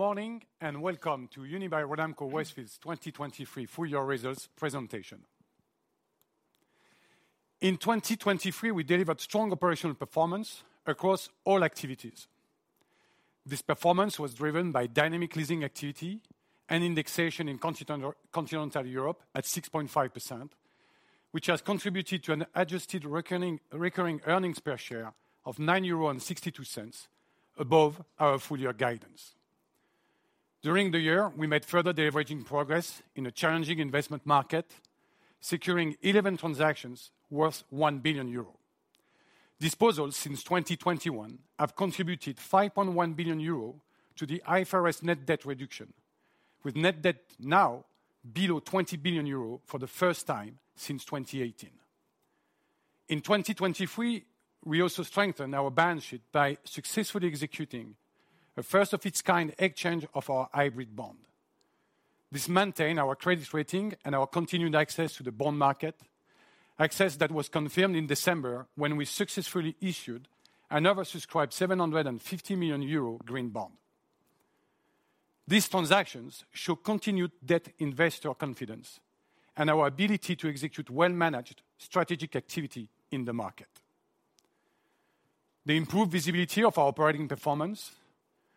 Good morning, and welcome to Unibail-Rodamco-Westfield's 2023 Full Year Results Presentation. In 2023, we delivered strong operational performance across all activities. This performance was driven by dynamic leasing activity and indexation in Continental Europe at 6.5%, which has contributed to an adjusted recurring earnings per share of 9.62 euros above our full year guidance. During the year, we made further deleveraging progress in a challenging investment market, securing 11 transactions worth 1 billion euro. Disposals since 2021 have contributed 5.1 billion euro to the IFRS net debt reduction, with net debt now below 20 billion euro for the first time since 2018. In 2023, we also strengthened our balance sheet by successfully executing a first-of-its-kind exchange of our hybrid bond. This maintained our credit rating and our continued access to the bond market. Access that was confirmed in December, when we successfully issued another subscribed 750 million euro green bond. These transactions show continued debt investor confidence and our ability to execute well-managed strategic activity in the market. The improved visibility of our operating performance,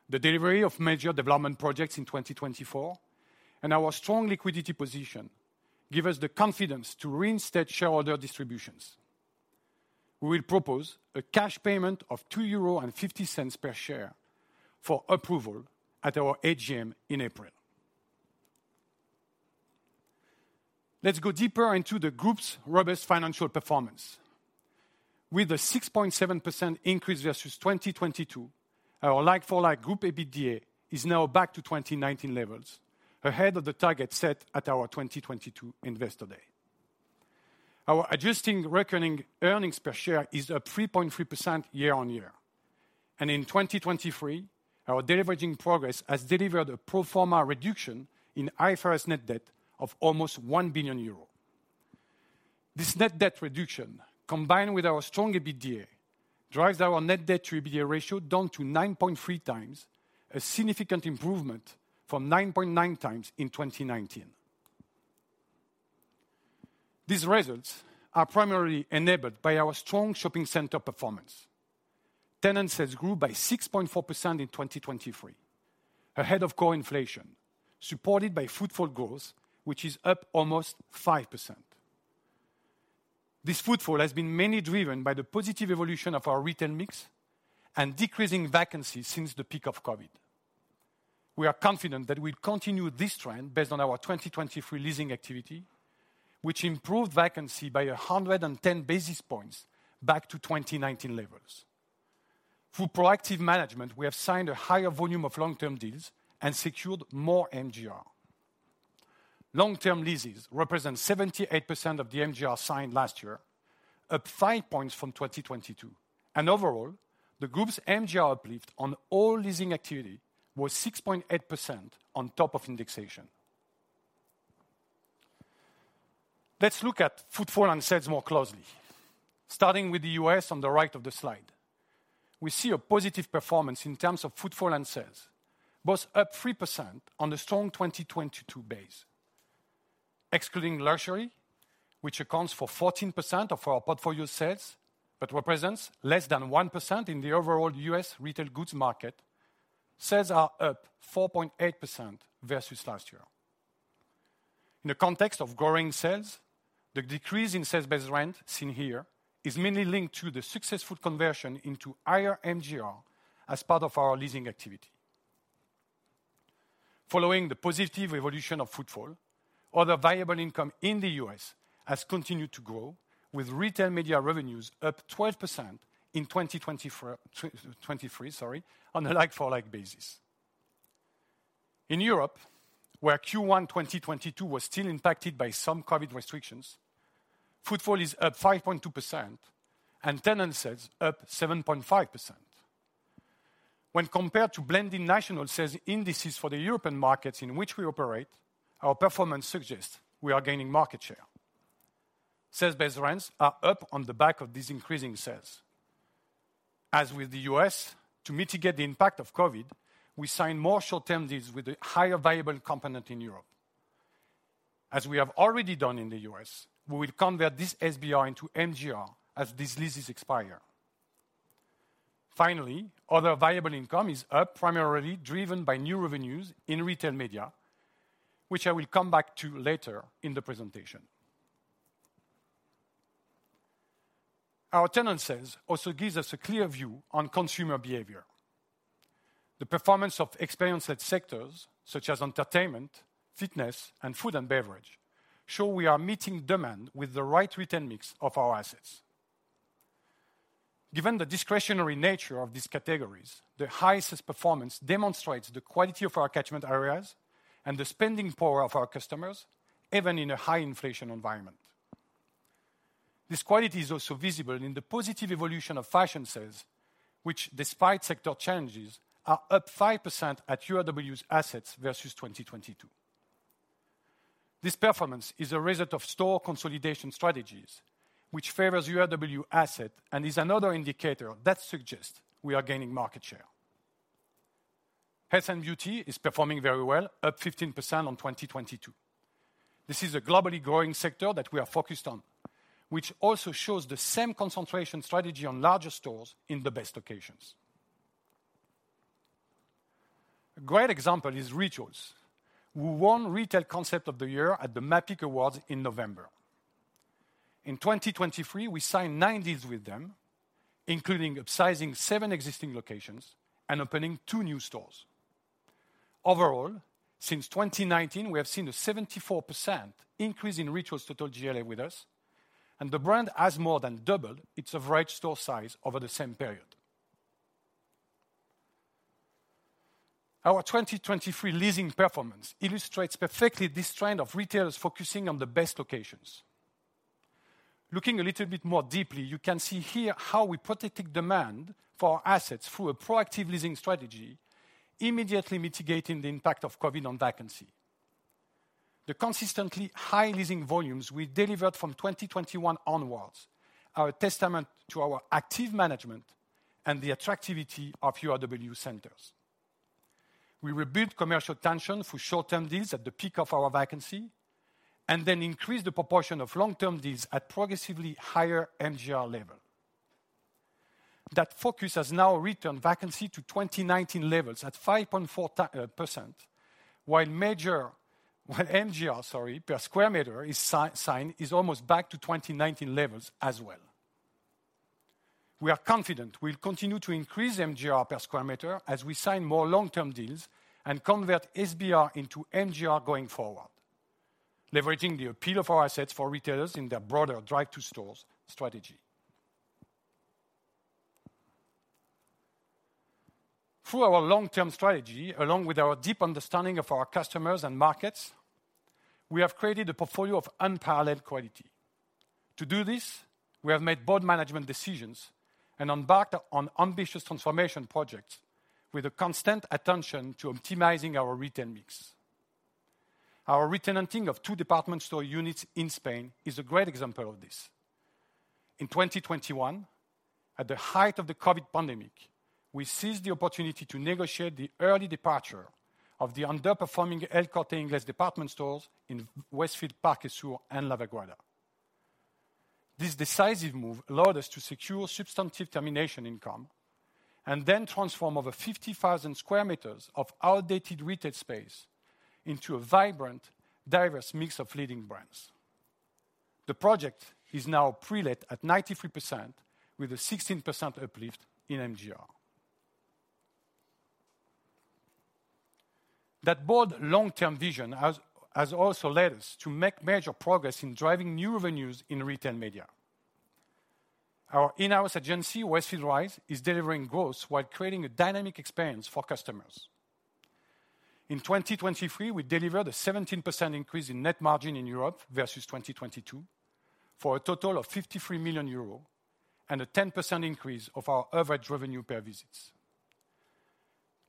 the delivery of major development projects in 2024, and our strong liquidity position give us the confidence to reinstate shareholder distributions. We will propose a cash payment of 2.50 euro per share for approval at our AGM in April. Let's go deeper into the group's robust financial performance. With a 6.7% increase versus 2022, our like-for-like group EBITDA is now back to 2019 levels, ahead of the target set at our 2022 Investor Day. Our adjusted recurring earnings per share is up 3.3% year-on-year, and in 2023, our deleveraging progress has delivered a pro forma reduction in IFRS net debt of almost 1 billion euros. This net debt reduction, combined with our strong EBITDA, drives our net debt to EBITDA ratio down to 9.3x, a significant improvement from 9.9x in 2019. These results are primarily enabled by our strong shopping center performance. Tenant sales grew by 6.4% in 2023, ahead of core inflation, supported by footfall growth, which is up almost 5%. This footfall has been mainly driven by the positive evolution of our retail mix and decreasing vacancies since the peak of COVID. We are confident that we'll continue this trend based on our 2023 leasing activity, which improved vacancy by 110 basis points back to 2019 levels. Through proactive management, we have signed a higher volume of long-term deals and secured more MGR. Long-term leases represent 78% of the MGR signed last year, up 5 points from 2022, and overall, the group's MGR uplift on all leasing activity was 6.8% on top of indexation. Let's look at footfall and sales more closely. Starting with the U.S. on the right of the slide, we see a positive performance in terms of footfall and sales, both up 3% on the strong 2022 base. Excluding luxury, which accounts for 14% of our portfolio sales, but represents less than 1% in the overall U.S. retail goods market, sales are up 4.8% versus last year. In the context of growing sales, the decrease in sales-based rent, seen here, is mainly linked to the successful conversion into higher MGR as part of our leasing activity. Following the positive evolution of footfall, other variable income in the U.S. has continued to grow, with retail media revenues up 12% in 2024... 2023, sorry, on a like-for-like basis. In Europe, where Q1, 2022 was still impacted by some COVID restrictions, footfall is up 5.2% and tenant sales up 7.5%. When compared to blending national sales indices for the European markets in which we operate, our performance suggests we are gaining market share. Sales-based rents are up on the back of these increasing sales. As with the U.S., to mitigate the impact of COVID, we signed more short-term deals with a higher variable component in Europe. As we have already done in the U.S., we will convert this SBR into MGR as these leases expire. Finally, other variable income is up, primarily driven by new revenues in retail media, which I will come back to later in the presentation. Our tenant sales also gives us a clear view on consumer behavior. The performance of experience-led sectors such as entertainment, fitness, and food and beverage show we are meeting demand with the right retail mix of our assets. Given the discretionary nature of these categories, the highest performance demonstrates the quality of our catchment areas and the spending power of our customers, even in a high inflation environment. This quality is also visible in the positive evolution of fashion sales, which, despite sector challenges, are up 5% at URW's assets versus 2022. This performance is a result of store consolidation strategies, which favors URW asset and is another indicator that suggests we are gaining market share. Health and beauty is performing very well, up 15% on 2022. This is a globally growing sector that we are focused on, which also shows the same concentration strategy on larger stores in the best locations. A great example is Rituals, who won Retail Concept of the Year at the MAPIC Awards in November. In 2023, we signed 9 deals with them, including upsizing 7 existing locations and opening 2 new stores. Overall, since 2019, we have seen a 74% increase in Rituals' total GLA with us, and the brand has more than doubled its average store size over the same period. Our 2023 leasing performance illustrates perfectly this trend of retailers focusing on the best locations. Looking a little bit more deeply, you can see here how we protected demand for our assets through a proactive leasing strategy, immediately mitigating the impact of COVID on vacancy. The consistently high leasing volumes we delivered from 2021 onwards are a testament to our active management and the attractivity of URW centers. We rebuilt commercial tension through short-term deals at the peak of our vacancy, and then increased the proportion of long-term deals at progressively higher MGR level. That focus has now returned vacancy to 2019 levels at 5.4%, while MGR, sorry, per square meter is signed, is almost back to 2019 levels as well. We are confident we'll continue to increase MGR per square meter as we sign more long-term deals and convert SBR into MGR going forward, leveraging the appeal of our assets for retailers in their broader drive-to-stores strategy. Through our long-term strategy, along with our deep understanding of our customers and markets, we have created a portfolio of unparalleled quality. To do this, we have made bold management decisions and embarked on ambitious transformation projects with a constant attention to optimizing our retail mix. Our retenanting of two department store units in Spain is a great example of this. In 2021, at the height of the COVID pandemic, we seized the opportunity to negotiate the early departure of the underperforming El Corte Inglés department stores in Westfield Parquesur and La Vaguada. This decisive move allowed us to secure substantive termination income and then transform over 50,000 square meters of outdated retail space into a vibrant, diverse mix of leading brands. The project is now pre-let at 93%, with a 16% uplift in MGR. That bold long-term vision has also led us to make major progress in driving new revenues in retail media. Our in-house agency, Westfield Rise, is delivering growth while creating a dynamic experience for customers. In 2023, we delivered a 17% increase in net margin in Europe versus 2022, for a total of 53 million euros and a 10% increase of our average revenue per visits.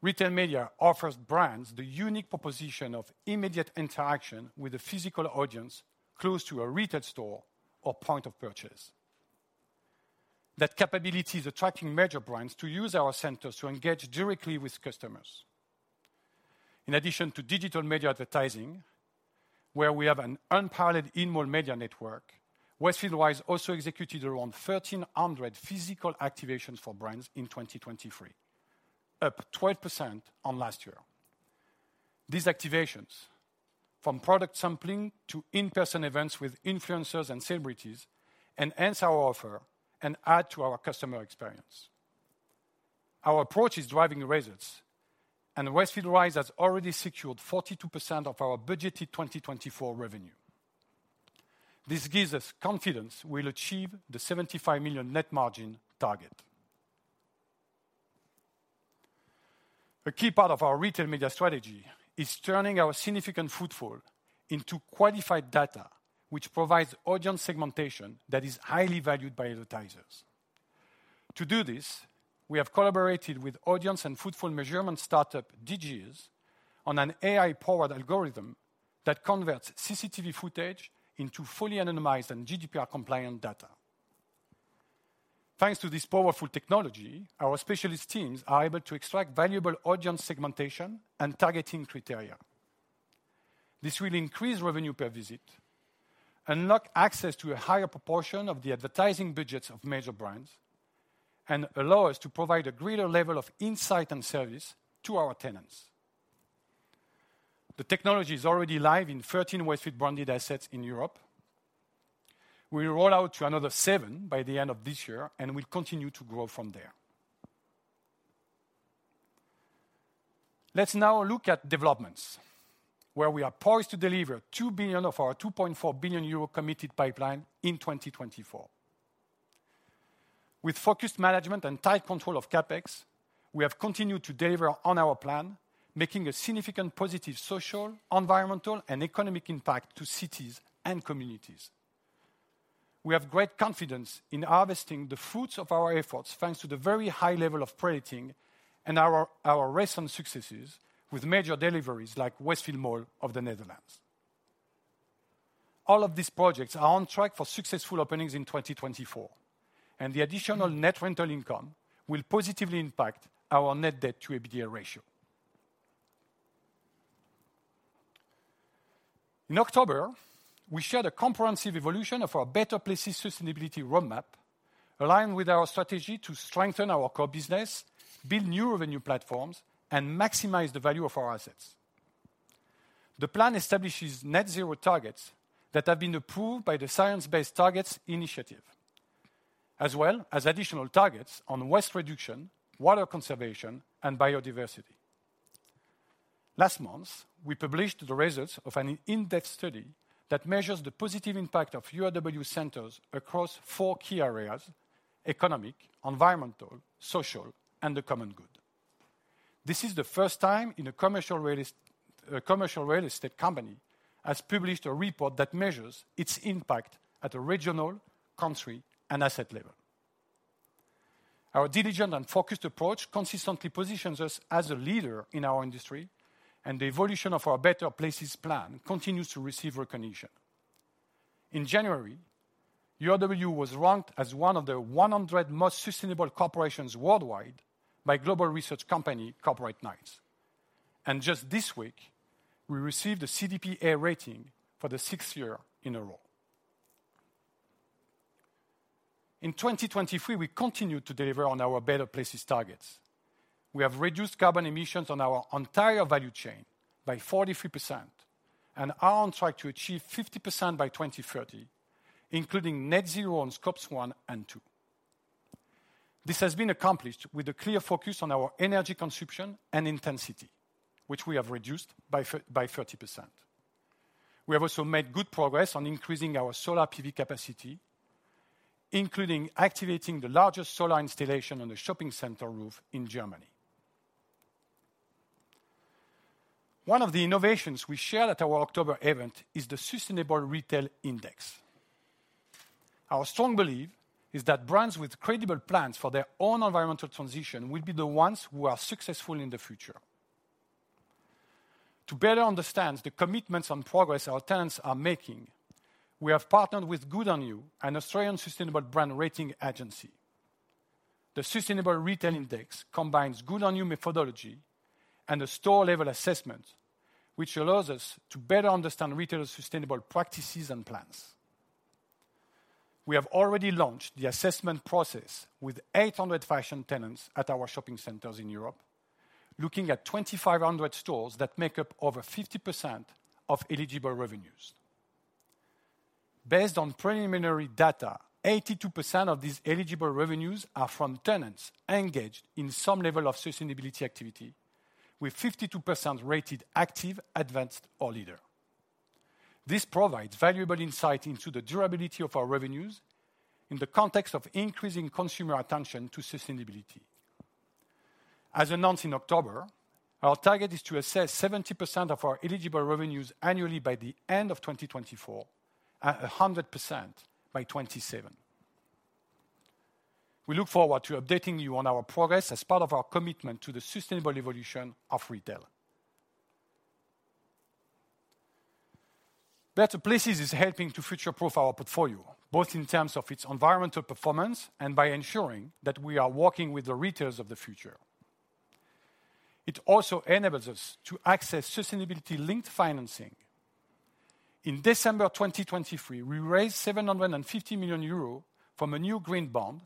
Retail media offers brands the unique proposition of immediate interaction with a physical audience close to a retail store or point of purchase. That capability is attracting major brands to use our centers to engage directly with customers. In addition to digital media advertising, where we have an unparalleled in-mall media network, Westfield Rise also executed around 1,300 physical activations for brands in 2023, up 12% on last year. These activations, from product sampling to in-person events with influencers and celebrities, enhance our offer and add to our customer experience. Our approach is driving results, and Westfield Rise has already secured 42% of our budgeted 2024 revenue. This gives us confidence we'll achieve the 75 million net margin target. A key part of our retail media strategy is turning our significant footfall into qualified data, which provides audience segmentation that is highly valued by advertisers. To do this, we have collaborated with audience and footfall measurement startup, Digeiz, on an AI-powered algorithm that converts CCTV footage into fully anonymized and GDPR-compliant data. Thanks to this powerful technology, our specialist teams are able to extract valuable audience segmentation and targeting criteria. This will increase revenue per visit, unlock access to a higher proportion of the advertising budgets of major brands, and allow us to provide a greater level of insight and service to our tenants. The technology is already live in 13 Westfield-branded assets in Europe. We will roll out to another 7 by the end of this year, and we'll continue to grow from there. Let's now look at developments, where we are poised to deliver 2 billion of our 2.4 billion euro committed pipeline in 2024. With focused management and tight control of CapEx, we have continued to deliver on our plan, making a significant positive social, environmental, and economic impact to cities and communities. We have great confidence in harvesting the fruits of our efforts, thanks to the very high level of pre-letting and our recent successes with major deliveries like Westfield Mall of the Netherlands. All of these projects are on track for successful openings in 2024, and the additional net rental income will positively impact our net debt to EBITDA ratio. In October, we shared a comprehensive evolution of our Better Places sustainability roadmap, aligned with our strategy to strengthen our core business, build new revenue platforms, and maximize the value of our assets. The plan establishes net zero targets that have been approved by the Science Based Targets initiative, as well as additional targets on waste reduction, water conservation, and biodiversity. Last month, we published the results of an in-depth study that measures the positive impact of URW centers across four key areas: economic, environmental, social, and the common good. This is the first time a commercial real estate company has published a report that measures its impact at a regional, country, and asset level. Our diligent and focused approach consistently positions us as a leader in our industry, and the evolution of our Better Places plan continues to receive recognition. In January, URW was ranked as one of the 100 most sustainable corporations worldwide by global research company, Corporate Knights, and just this week, we received a CDP A rating for the sixth year in a row. In 2023, we continued to deliver on our Better Places targets. We have reduced carbon emissions on our entire value chain by 43% and are on track to achieve 50% by 2030, including net zero on Scope 1 and 2. This has been accomplished with a clear focus on our energy consumption and intensity, which we have reduced by 30%. We have also made good progress on increasing our solar PV capacity, including activating the largest solar installation on a shopping center roof in Germany. One of the innovations we shared at our October event is the Sustainable Retail Index. Our strong belief is that brands with credible plans for their own environmental transition will be the ones who are successful in the future. To better understand the commitments and progress our tenants are making, we have partnered with Good On You, an Australian sustainable brand rating agency. The Sustainable Retail Index combines Good On You methodology and a store-level assessment, which allows us to better understand retailers' sustainable practices and plans. We have already launched the assessment process with 800 fashion tenants at our shopping centers in Europe, looking at 2,500 stores that make up over 50% of eligible revenues. Based on preliminary data, 82% of these eligible revenues are from tenants engaged in some level of sustainability activity, with 52% rated active, advanced, or leader. This provides valuable insight into the durability of our revenues in the context of increasing consumer attention to sustainability. As announced in October, our target is to assess 70% of our eligible revenues annually by the end of 2024, at 100% by 2027. We look forward to updating you on our progress as part of our commitment to the sustainable evolution of retail. Better Places is helping to future-proof our portfolio, both in terms of its environmental performance and by ensuring that we are working with the retailers of the future. It also enables us to access sustainability-linked financing. In December 2023, we raised 750 million euros from a new green bond,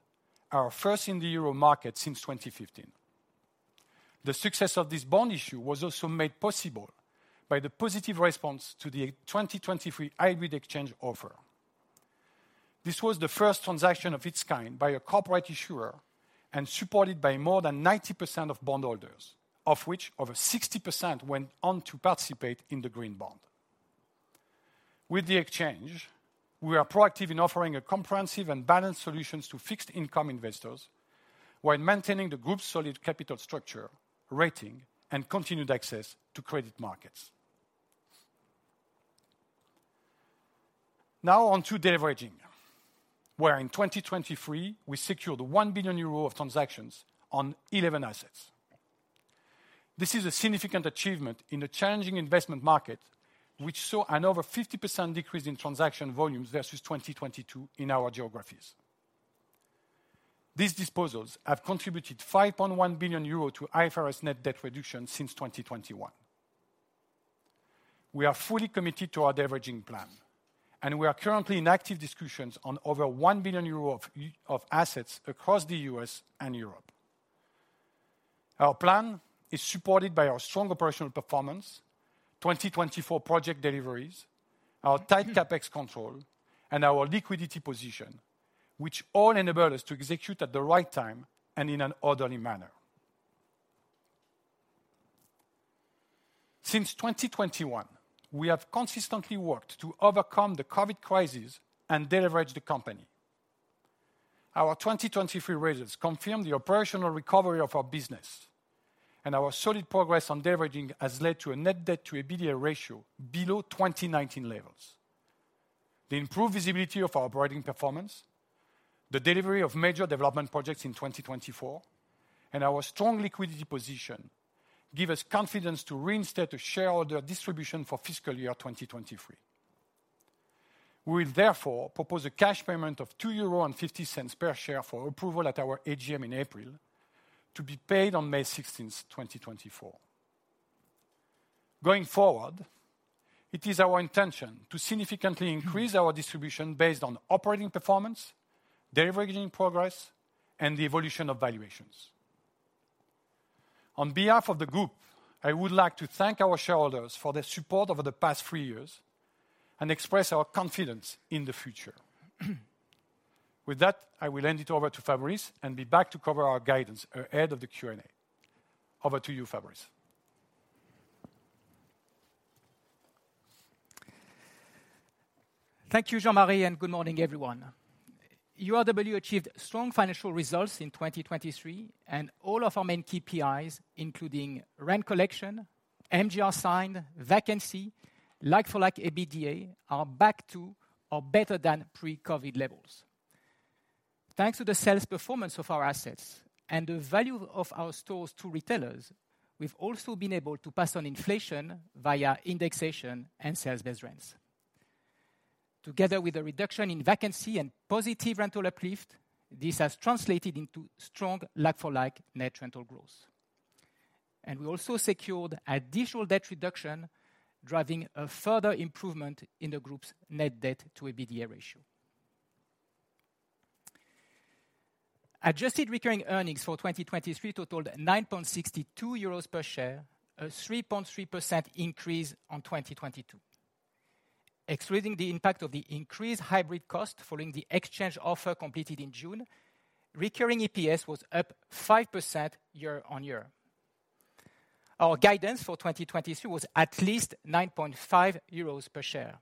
our first in the euro market since 2015. The success of this bond issue was also made possible by the positive response to the 2023 hybrid exchange offer. This was the first transaction of its kind by a corporate issuer and supported by more than 90% of bondholders, of which over 60% went on to participate in the green bond. With the exchange, we are proactive in offering a comprehensive and balanced solutions to fixed income investors while maintaining the group's solid capital structure, rating, and continued access to credit markets. Now on to deleveraging, where in 2023 we secured 1 billion euro of transactions on 11 assets. This is a significant achievement in a challenging investment market, which saw an over 50% decrease in transaction volumes versus 2022 in our geographies. These disposals have contributed 5.1 billion euros to IFRS net debt reduction since 2021. We are fully committed to our deleveraging plan, and we are currently in active discussions on over 1 billion euros of assets across the U.S. and Europe. Our plan is supported by our strong operational performance, 2024 project deliveries, our tight CapEx control, and our liquidity position, which all enable us to execute at the right time and in an orderly manner. Since 2021, we have consistently worked to overcome the Covid crisis and deleverage the company. Our 2023 results confirm the operational recovery of our business, and our solid progress on deleveraging has led to a net debt to EBITDA ratio below 2019 levels. The improved visibility of our operating performance, the delivery of major development projects in 2024, and our strong liquidity position give us confidence to reinstate a shareholder distribution for fiscal year 2023. We will therefore propose a cash payment of 2.50 euro per share for approval at our AGM in April, to be paid on May 16th, 2024. Going forward, it is our intention to significantly increase our distribution based on operating performance, de-leveraging progress, and the evolution of valuations. On behalf of the group, I would like to thank our shareholders for their support over the past three years and express our confidence in the future. With that, I will hand it over to Fabrice and be back to cover our guidance ahead of the Q&A. Over to you, Fabrice. Thank you, Jean-Marie, and good morning, everyone. URW achieved strong financial results in 2023, and all of our main KPIs, including rent collection, MGR signed, vacancy, like-for-like EBITDA, are back to or better than pre-COVID levels. Thanks to the sales performance of our assets and the value of our stores to retailers, we've also been able to pass on inflation via indexation and sales-based rents. Together with a reduction in vacancy and positive rental uplift, this has translated into strong like-for-like net rental growth. And we also secured additional debt reduction, driving a further improvement in the group's net debt to EBITDA ratio. Adjusted recurring earnings for 2023 totaled 9.62 euros per share, a 3.3% increase on 2022. Excluding the impact of the increased hybrid cost following the exchange offer completed in June, recurring EPS was up 5% year-on-year. Our guidance for 2023 was at least 9.5 euros per share.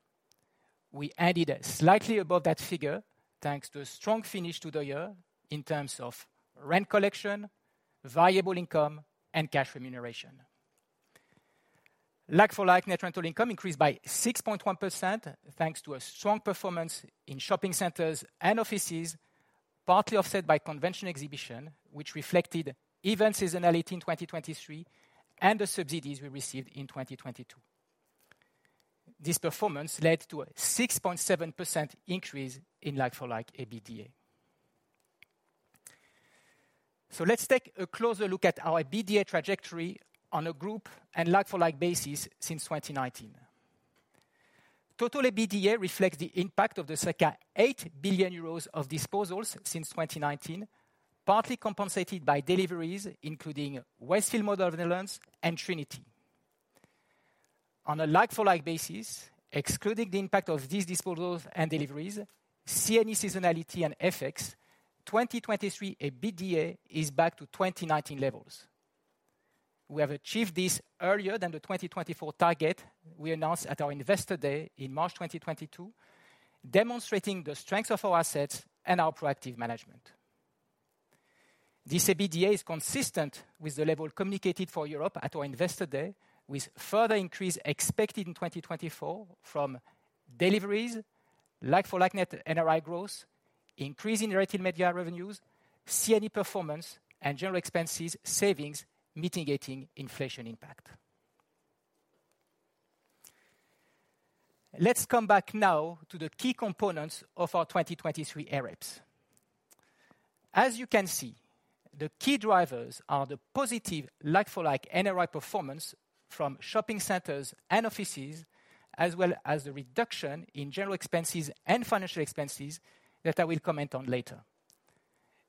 We added slightly above that figure, thanks to a strong finish to the year in terms of rent collection, variable income, and cash remuneration. Like-for-like net rental income increased by 6.1%, thanks to a strong performance in shopping centers and offices, partly offset by convention exhibition, which reflected event seasonality in 2023 and the subsidies we received in 2022. This performance led to a 6.7% increase in like-for-like EBITDA. So let's take a closer look at our EBITDA trajectory on a group and like-for-like basis since 2019. Total EBITDA reflects the impact of the circa 8 billion euros of disposals since 2019, partly compensated by deliveries, including Westfield Netherlands and Trinity. On a like-for-like basis, excluding the impact of these disposals and deliveries, C&E seasonality and FX, 2023 EBITDA is back to 2019 levels. We have achieved this earlier than the 2024 target we announced at our Investor Day in March 2022, demonstrating the strength of our assets and our proactive management. This EBITDA is consistent with the level communicated for Europe at our Investor Day, with further increase expected in 2024 from deliveries, like-for-like net NRI growth, increase in retail media revenues, C&E performance, and general expenses savings, mitigating inflation impact. Let's come back now to the key components of our 2023 AREPS. As you can see, the key drivers are the positive like-for-like NRI performance from shopping centers and offices, as well as the reduction in general expenses and financial expenses that I will comment on later.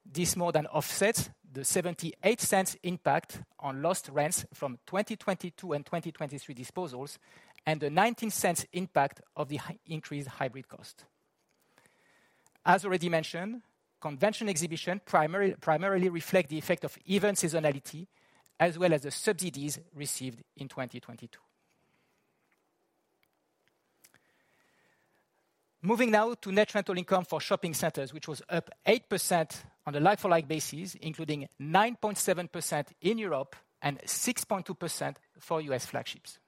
This more than offsets the 0.78 impact on lost rents from 2022 and 2023 disposals, and the 0.19 impact of the increased hybrid cost. As already mentioned, convention exhibition primarily reflect the effect of event seasonality as well as the subsidies received in 2022. Moving now to net rental income for shopping centers, which was up 8% on a like-for-like basis, including 9.7% in Europe and 6.2% for U.S. flagships.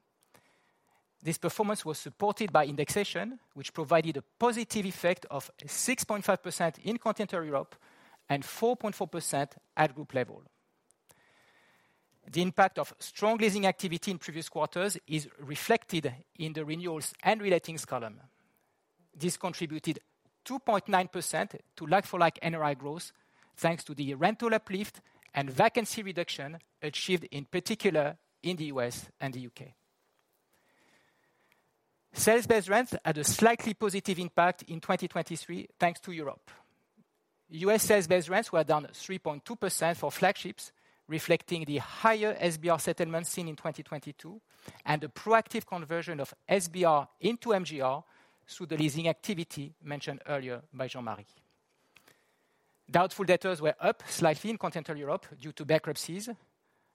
This performance was supported by indexation, which provided a positive effect of 6.5% in Continental Europe and 4.4% at group level. The impact of strong leasing activity in previous quarters is reflected in the renewals and releasings column. This contributed 2.9% to like-for-like NRI growth, thanks to the rental uplift and vacancy reduction achieved, in particular, in the U.S. and the U.K.. Sales-based rents had a slightly positive impact in 2023, thanks to Europe. U.S. sales-based rents were down 3.2% for flagships, reflecting the higher SBR settlement seen in 2022, and a proactive conversion of SBR into MGR through the leasing activity mentioned earlier by Jean-Marie. Doubtful debtors were up slightly in Continental Europe due to bankruptcies,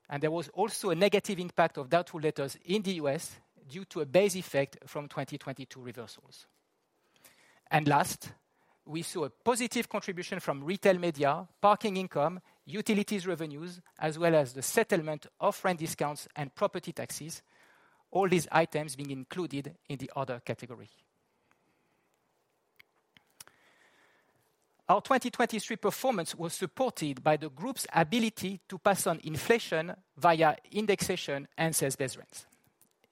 and there was also a negative impact of doubtful debtors in the U.S. due to a base effect from 2022 reversals. Last, we saw a positive contribution from retail media, parking income, utilities revenues, as well as the settlement of rent discounts and property taxes, all these items being included in the other category. Our 2023 performance was supported by the group's ability to pass on inflation via indexation and sales base rents.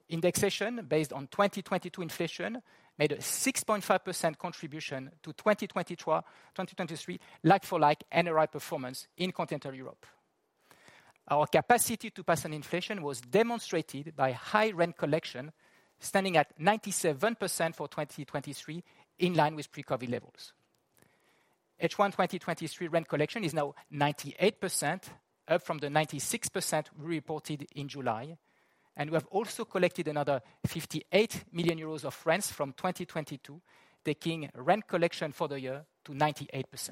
Indexation, based on 2022 inflation, made a 6.5% contribution to 2023 like-for-like NRI performance in Continental Europe. Our capacity to pass on inflation was demonstrated by high rent collection, standing at 97% for 2023, in line with pre-COVID levels. H1 2023 rent collection is now 98%, up from the 96% we reported in July, and we have also collected another 58 million euros of rents from 2022, taking rent collection for the year to 98%.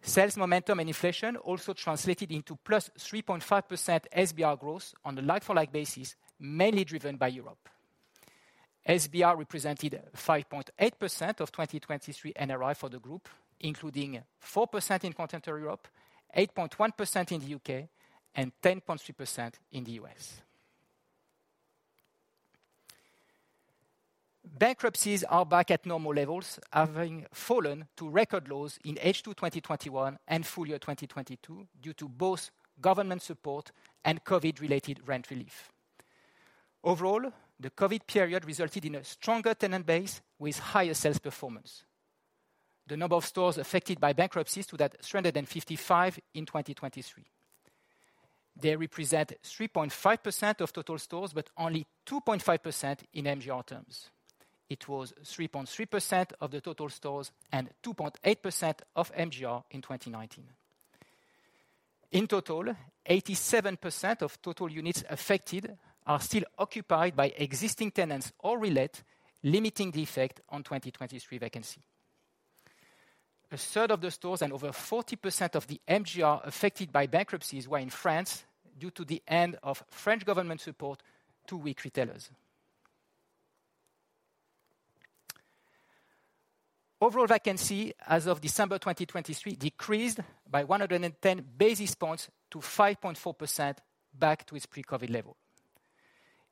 Sales momentum and inflation also translated into +3.5% SBR growth on a like-for-like basis, mainly driven by Europe. SBR represented 5.8% of 2023 NRI for the group, including 4% in Continental Europe, 8.1% in the U.K., and 10.3% in the U.S.. Bankruptcies are back at normal levels, having fallen to record lows in H2 2021 and full year 2022, due to both government support and COVID-related rent relief. Overall, the COVID period resulted in a stronger tenant base with higher sales performance. The number of stores affected by bankruptcies stood at 355 in 2023. They represent 3.5% of total stores, but only 2.5% in MGR terms. It was 3.3% of the total stores and 2.8% of MGR in 2019. In total, 87% of total units affected are still occupied by existing tenants or relet, limiting the effect on 2023 vacancy. A third of the stores and over 40% of the MGR affected by bankruptcies were in France due to the end of French government support to weak retailers. Overall vacancy as of December 2023 decreased by 110 basis points to 5.4% back to its pre-COVID level.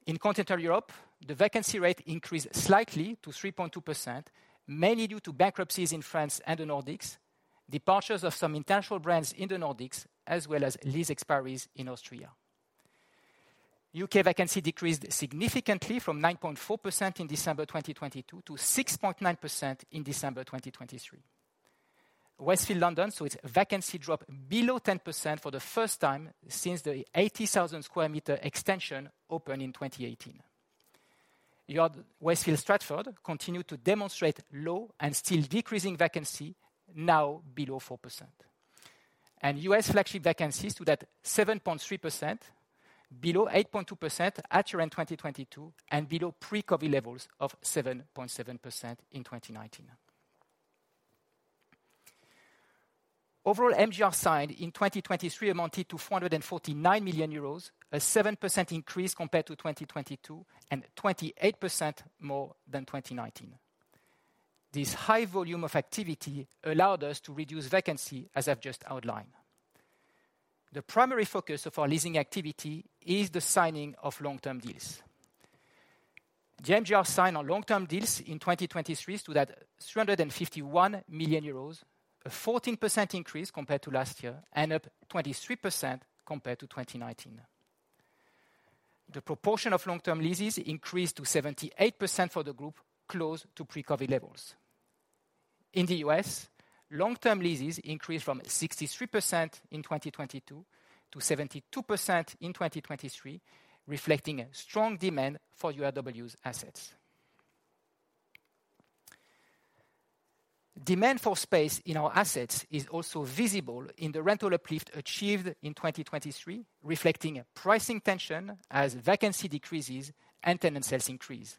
In Continental Europe, the vacancy rate increased slightly to 3.2%, mainly due to bankruptcies in France and the Nordics, departures of some international brands in the Nordics, as well as lease expiries in Austria. U.K. vacancy decreased significantly from 9.4% in December 2022 to 6.9% in December 2023. Westfield London, so its vacancy dropped below 10% for the first time since the 80,000 square meter extension opened in 2018. Westfield Stratford continued to demonstrate low and still decreasing vacancy, now below 4%. U.S. flagship vacancies stood at 7.3%, below 8.2% at year-end 2022, and below pre-COVID levels of 7.7% in 2019. Overall, MGR signed in 2023 amounted to 449 million euros, a 7% increase compared to 2022, and 28% more than 2019. This high volume of activity allowed us to reduce vacancy, as I've just outlined. The primary focus of our leasing activity is the signing of long-term deals. The MGR signed on long-term deals in 2023 stood at 351 million euros, a 14% increase compared to last year, and up 23% compared to 2019. The proportion of long-term leases increased to 78% for the group, close to pre-COVID levels. In the U.S., long-term leases increased from 63% in 2022 to 72% in 2023, reflecting a strong demand for URW's assets. Demand for space in our assets is also visible in the rental uplift achieved in 2023, reflecting a pricing tension as vacancy decreases and tenant sales increase.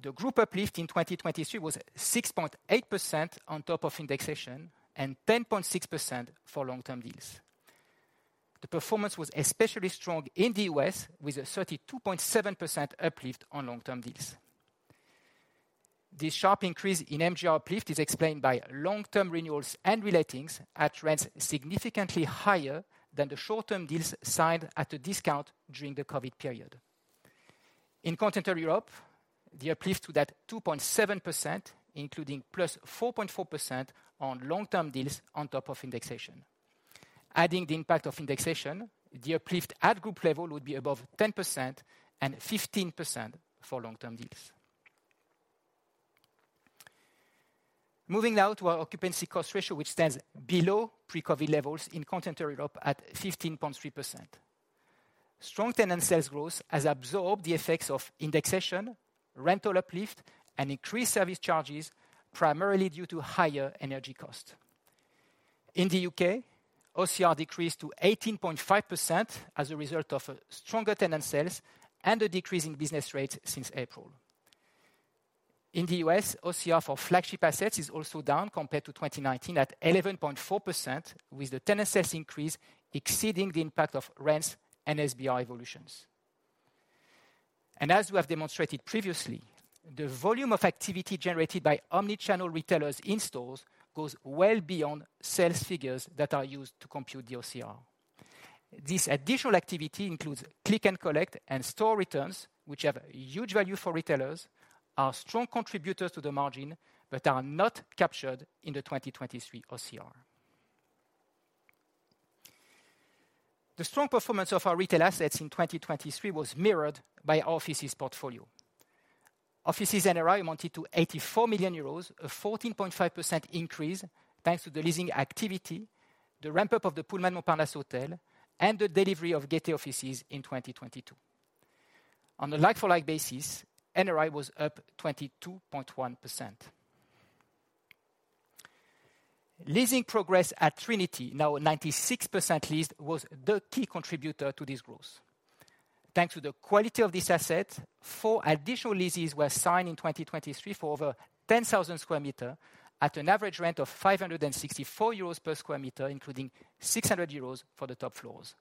The group uplift in 2023 was 6.8% on top of indexation and 10.6% for long-term deals. The performance was especially strong in the U.S., with a 32.7% uplift on long-term deals. This sharp increase in MGR uplift is explained by long-term renewals and re-lettings at rents significantly higher than the short-term deals signed at a discount during the COVID period. In Continental Europe, the uplift stood at 2.7%, including +4.4% on long-term deals on top of indexation. Adding the impact of indexation, the uplift at group level would be above 10% and 15% for long-term deals. Moving now to our occupancy cost ratio, which stands below pre-COVID levels in Continental Europe at 15.3%. Strong tenant sales growth has absorbed the effects of indexation, rental uplift, and increased service charges, primarily due to higher energy costs. In the U.K., OCR decreased to 18.5% as a result of stronger tenant sales and a decrease in business rates since April. In the U.S., OCR for flagship assets is also down compared to 2019 at 11.4%, with the tenant sales increase exceeding the impact of rents and SBR evolutions. And as we have demonstrated previously, the volume of activity generated by omni-channel retailers in stores goes well beyond sales figures that are used to compute the OCR. This additional activity includes click and collect and store returns, which have a huge value for retailers, are strong contributors to the margin, but are not captured in the 2023 OCR. The strong performance of our retail assets in 2023 was mirrored by our offices portfolio. Offices NRI amounted to 84 million euros, a 14.5% increase, thanks to the leasing activity, the ramp-up of the Pullman Paris Montparnasse Hotel, and the delivery of Gaîté offices in 2022. On a like-for-like basis, NRI was up 22.1%. Leasing progress at Trinity, now 96% leased, was the key contributor to this growth. Thanks to the quality of this asset, four additional leases were signed in 2023 for over 10,000 square meters, at an average rent of 564 euros per square meter, including 600 euros for the top floors.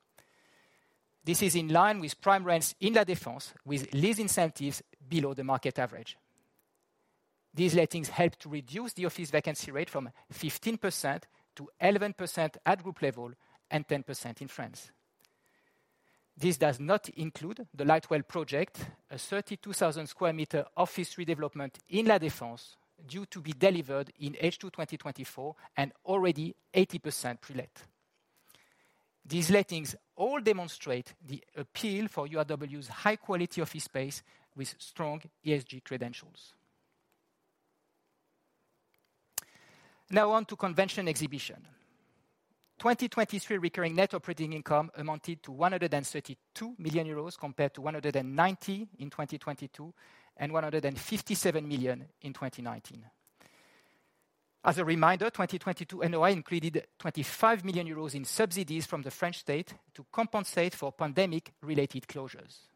This is in line with prime rents in La Défense, with lease incentives below the market average. These lettings helped to reduce the office vacancy rate from 15%-11% at group level and 10% in France. This does not include the Lightwell project, a 32,000 square meters office redevelopment in La Défense, due to be delivered in H2 2024 and already 80% pre-let. These lettings all demonstrate the appeal for URW's high quality office space with strong ESG credentials. Now on to Convention & Exhibition. 2023 recurring net operating income amounted to 132 million euros, compared to 190 in 2022, and 157 million in 2019. As a reminder, 2022 NOI included 25 million euros in subsidies from the French state to compensate for pandemic-related closures.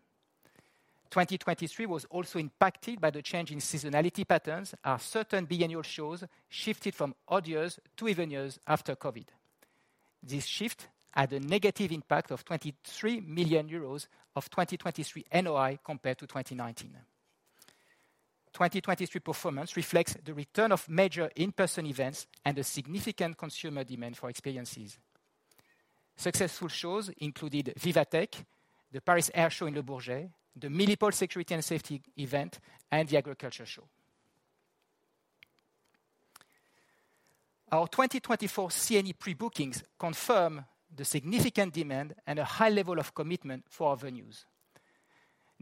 2023 was also impacted by the change in seasonality patterns, as certain biennial shows shifted from odd years to even years after COVID. This shift had a negative impact of 23 million euros of 2023 NOI compared to 2019. 2023 performance reflects the return of major in-person events and a significant consumer demand for experiences. Successful shows included VivaTech, the Paris Air Show in Le Bourget, the Milipol Security and Safety event, and the Agriculture Show. Our 2024 C&E pre-bookings confirm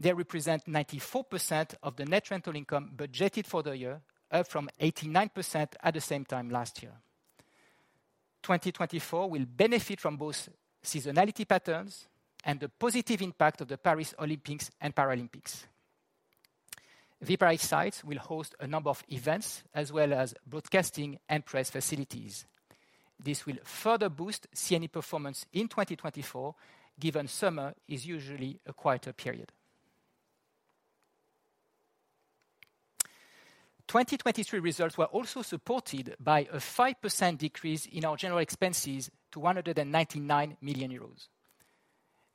the significant demand and a high level of commitment for our venues. They represent 94% of the net rental income budgeted for the year, up from 89% at the same time last year. 2024 will benefit from both seasonality patterns and the positive impact of the Paris Olympics and Paralympics. Viparis sites will host a number of events, as well as broadcasting and press facilities. This will further boost C&E performance in 2024, given summer is usually a quieter period. 2023 results were also supported by a 5% decrease in our general expenses to EUR 199 million.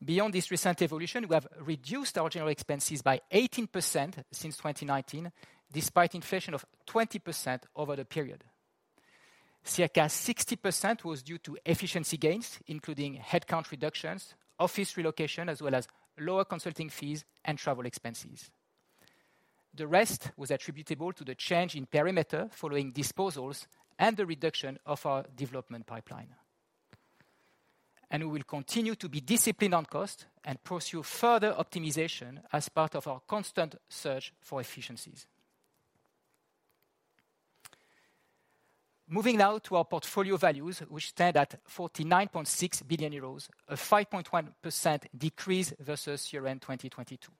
Beyond this recent evolution, we have reduced our general expenses by 18% since 2019, despite inflation of 20% over the period. Circa 60% was due to efficiency gains, including headcount reductions, office relocation, as well as lower consulting fees and travel expenses. The rest was attributable to the change in perimeter following disposals and the reduction of our development pipeline. We will continue to be disciplined on cost and pursue further optimization as part of our constant search for efficiencies. Moving now to our portfolio values, which stand at 49.6 billion euros, a 5.1% decrease versus year-end 2022.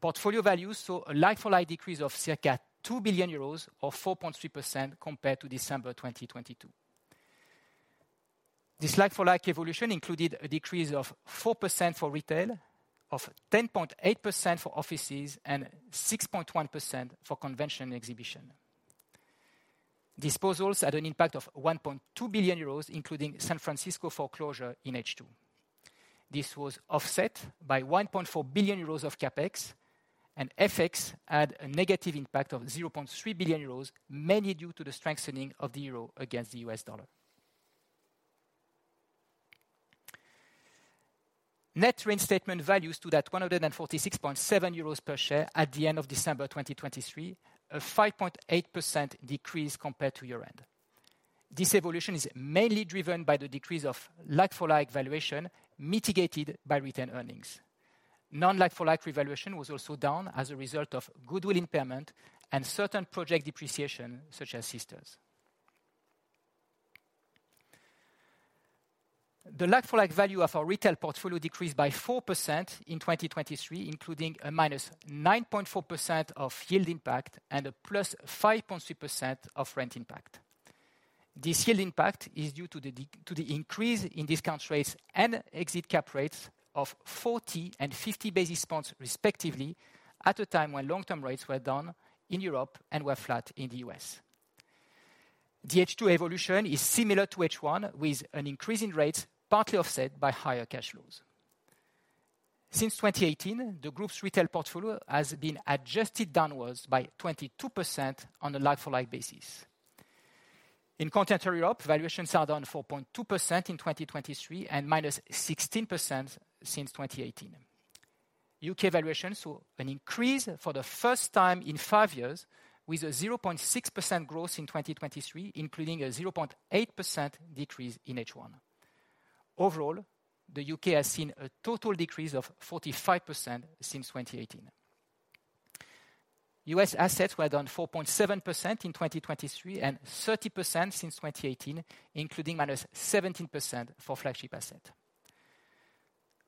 Portfolio values saw a like-for-like decrease of circa 2 billion euros or 4.3% compared to December 2022. This like-for-like evolution included a decrease of 4% for retail, of 10.8% for offices, and 6.1% for Convention & Exhibition. Disposals had an impact of 1.2 billion euros, including San Francisco foreclosure in H2. This was offset by 1.4 billion euros of CapEx, and FX had a negative impact of 0.3 billion euros, mainly due to the strengthening of the euro against the U.S. dollar. Net reinstatement values stood at 146.7 euros per share at the end of December 2023, a 5.8% decrease compared to year-end. This evolution is mainly driven by the decrease of like-for-like valuation, mitigated by retained earnings. Non-like-for-like revaluation was also down as a result of goodwill impairment and certain project depreciation, such as Sisters. The like-for-like value of our retail portfolio decreased by 4% in 2023, including a -9.4% yield impact and a +5.3% rent impact. This yield impact is due to the increase in discount rates and exit cap rates of 40 and 50 basis points respectively, at a time when long-term rates were down in Europe and were flat in the U.S.. The H2 evolution is similar to H1, with an increase in rates partly offset by higher cash flows. Since 2018, the group's retail portfolio has been adjusted downwards by 22% on a like-for-like basis. In Continental Europe, valuations are down 4.2% in 2023, and -16% since 2018. U.K. valuations saw an increase for the first time in five years, with a 0.6% growth in 2023, including a 0.8% decrease in H1. Overall, the U.K. has seen a total decrease of 45% since 2018. U.S. assets were down 4.7% in 2023, and 30% since 2018, including -17% for flagship asset.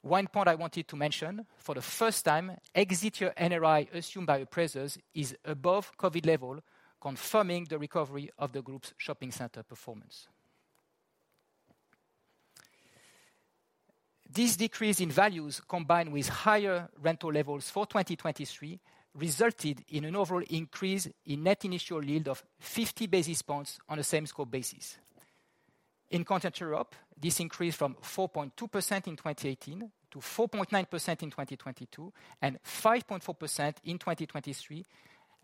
One point I wanted to mention, for the first time, exit year NRI assumed by appraisers is above COVID level, confirming the recovery of the group's shopping center performance. This decrease in values, combined with higher rental levels for 2023, resulted in an overall increase in net initial yield of 50 basis points on a same scope basis. In Continental Europe, this increased from 4.2% in 2018 to 4.9% in 2022, and 5.4% in 2023,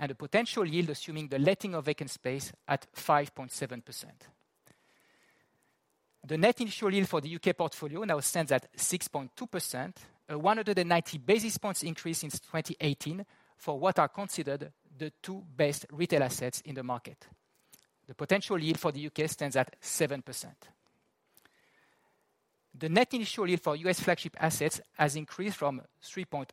and a potential yield, assuming the letting of vacant space at 5.7%. The net initial yield for the U.K. portfolio now stands at 6.2%, a 190 basis points increase since 2018, for what are considered the two best retail assets in the market. The potential yield for the U.K. stands at 7%. The net initial yield for U.S. flagship assets has increased from 3.8%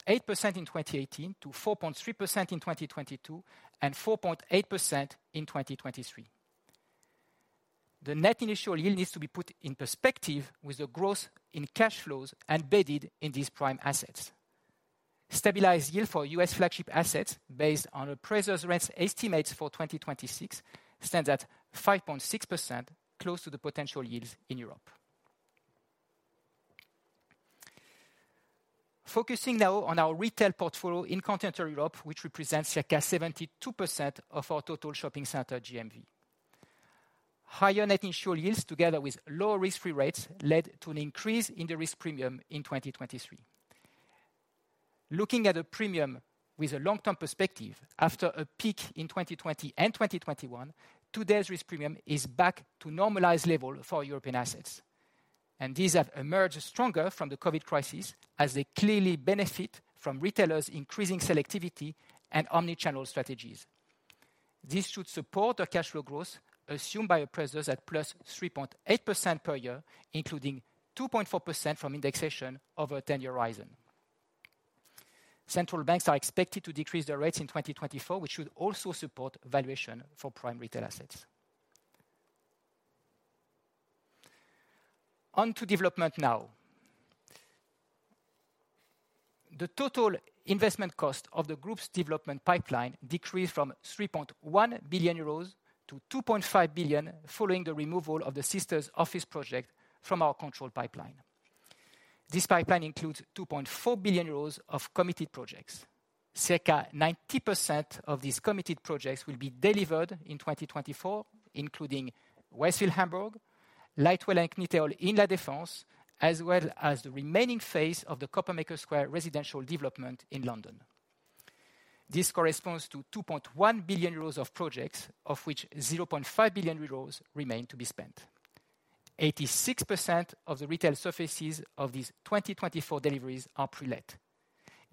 in 2018 to 4.3% in 2022, and 4.8% in 2023. The net initial yield needs to be put in perspective with the growth in cash flows embedded in these prime assets. Stabilized yield for U.S. flagship assets, based on appraisers' rents estimates for 2026, stands at 5.6%, close to the potential yields in Europe. Focusing now on our retail portfolio in Continental Europe, which represents circa 72% of our total shopping center GMV. Higher net initial yields, together with lower risk-free rates, led to an increase in the risk premium in 2023. Looking at a premium with a long-term perspective, after a peak in 2020 and 2021, today's risk premium is back to normalized level for European assets. These have emerged stronger from the COVID crisis, as they clearly benefit from retailers' increasing selectivity and omni-channel strategies. This should support our cash flow growth, assumed by appraisers at +3.8% per year, including 2.4% from indexation over a 10-year horizon. Central banks are expected to decrease their rates in 2024, which should also support valuation for prime retail assets. On to development now. The total investment cost of the group's development pipeline decreased from 3.1 billion-2.5 billion euros, following the removal of the Sisters office project from our control pipeline. This pipeline includes 2.4 billion euros of committed projects. Circa 90% of these committed projects will be delivered in 2024, including Westfield Hamburg, Lightwell and CNIT in La Défense, as well as the remaining phase of the Coppermaker Square residential development in London. This corresponds to 2.1 billion euros of projects, of which 0.5 billion euros remain to be spent. 86% of the retail surfaces of these 2024 deliveries are pre-let.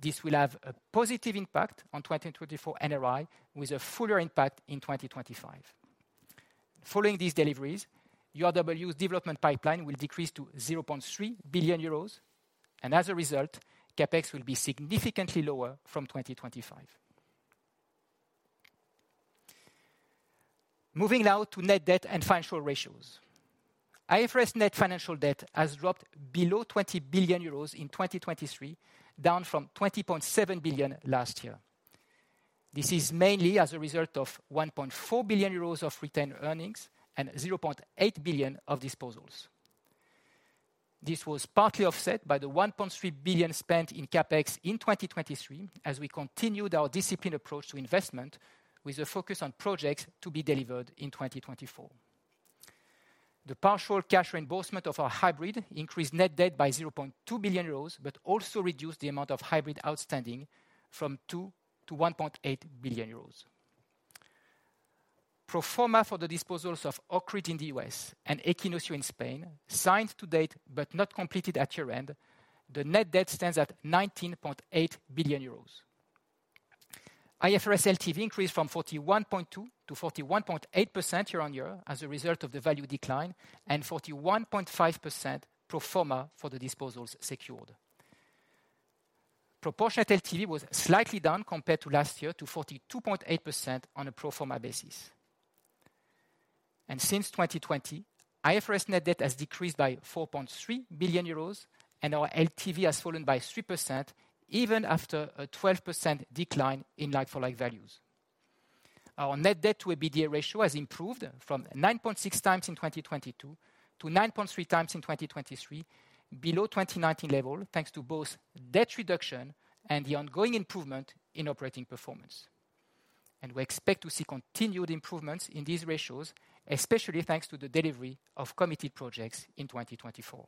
This will have a positive impact on 2024 NRI, with a fuller impact in 2025. Following these deliveries, URW's development pipeline will decrease to 0.3 billion euros, and as a result, CapEx will be significantly lower from 2025. Moving now to net debt and financial ratios. IFRS net financial debt has dropped below 20 billion euros in 2023, down from 20.7 billion last year. This is mainly as a result of 1.4 billion euros of retained earnings and 0.8 billion of disposals. This was partly offset by the EUR 1.3 billion spent in CapEx in 2023, as we continued our disciplined approach to investment, with a focus on projects to be delivered in 2024. The partial cash reimbursement of our hybrid increased net debt by EUR 0.2 billion, but also reduced the amount of hybrid outstanding from EUR 2 billion-EUR 1.8 billion. Pro forma for the disposals of Oakridge in the U.S. and Equinoccio in Spain, signed to date but not completed at year-end, the net debt stands at 19.8 billion euros. IFRS LTV increased from 41.2%-41.8% year-on-year, as a result of the value decline, and 41.5% pro forma for the disposals secured. Proportionate LTV was slightly down compared to last year, to 42.8% on a pro forma basis. And since 2020, IFRS net debt has decreased by 4.3 billion euros, and our LTV has fallen by 3%, even after a 12% decline in like-for-like values. Our net debt to EBITDA ratio has improved from 9.6 times in 2022 to 9.3 times in 2023, below 2019 level, thanks to both debt reduction and the ongoing improvement in operating performance. We expect to see continued improvements in these ratios, especially thanks to the delivery of committed projects in 2024.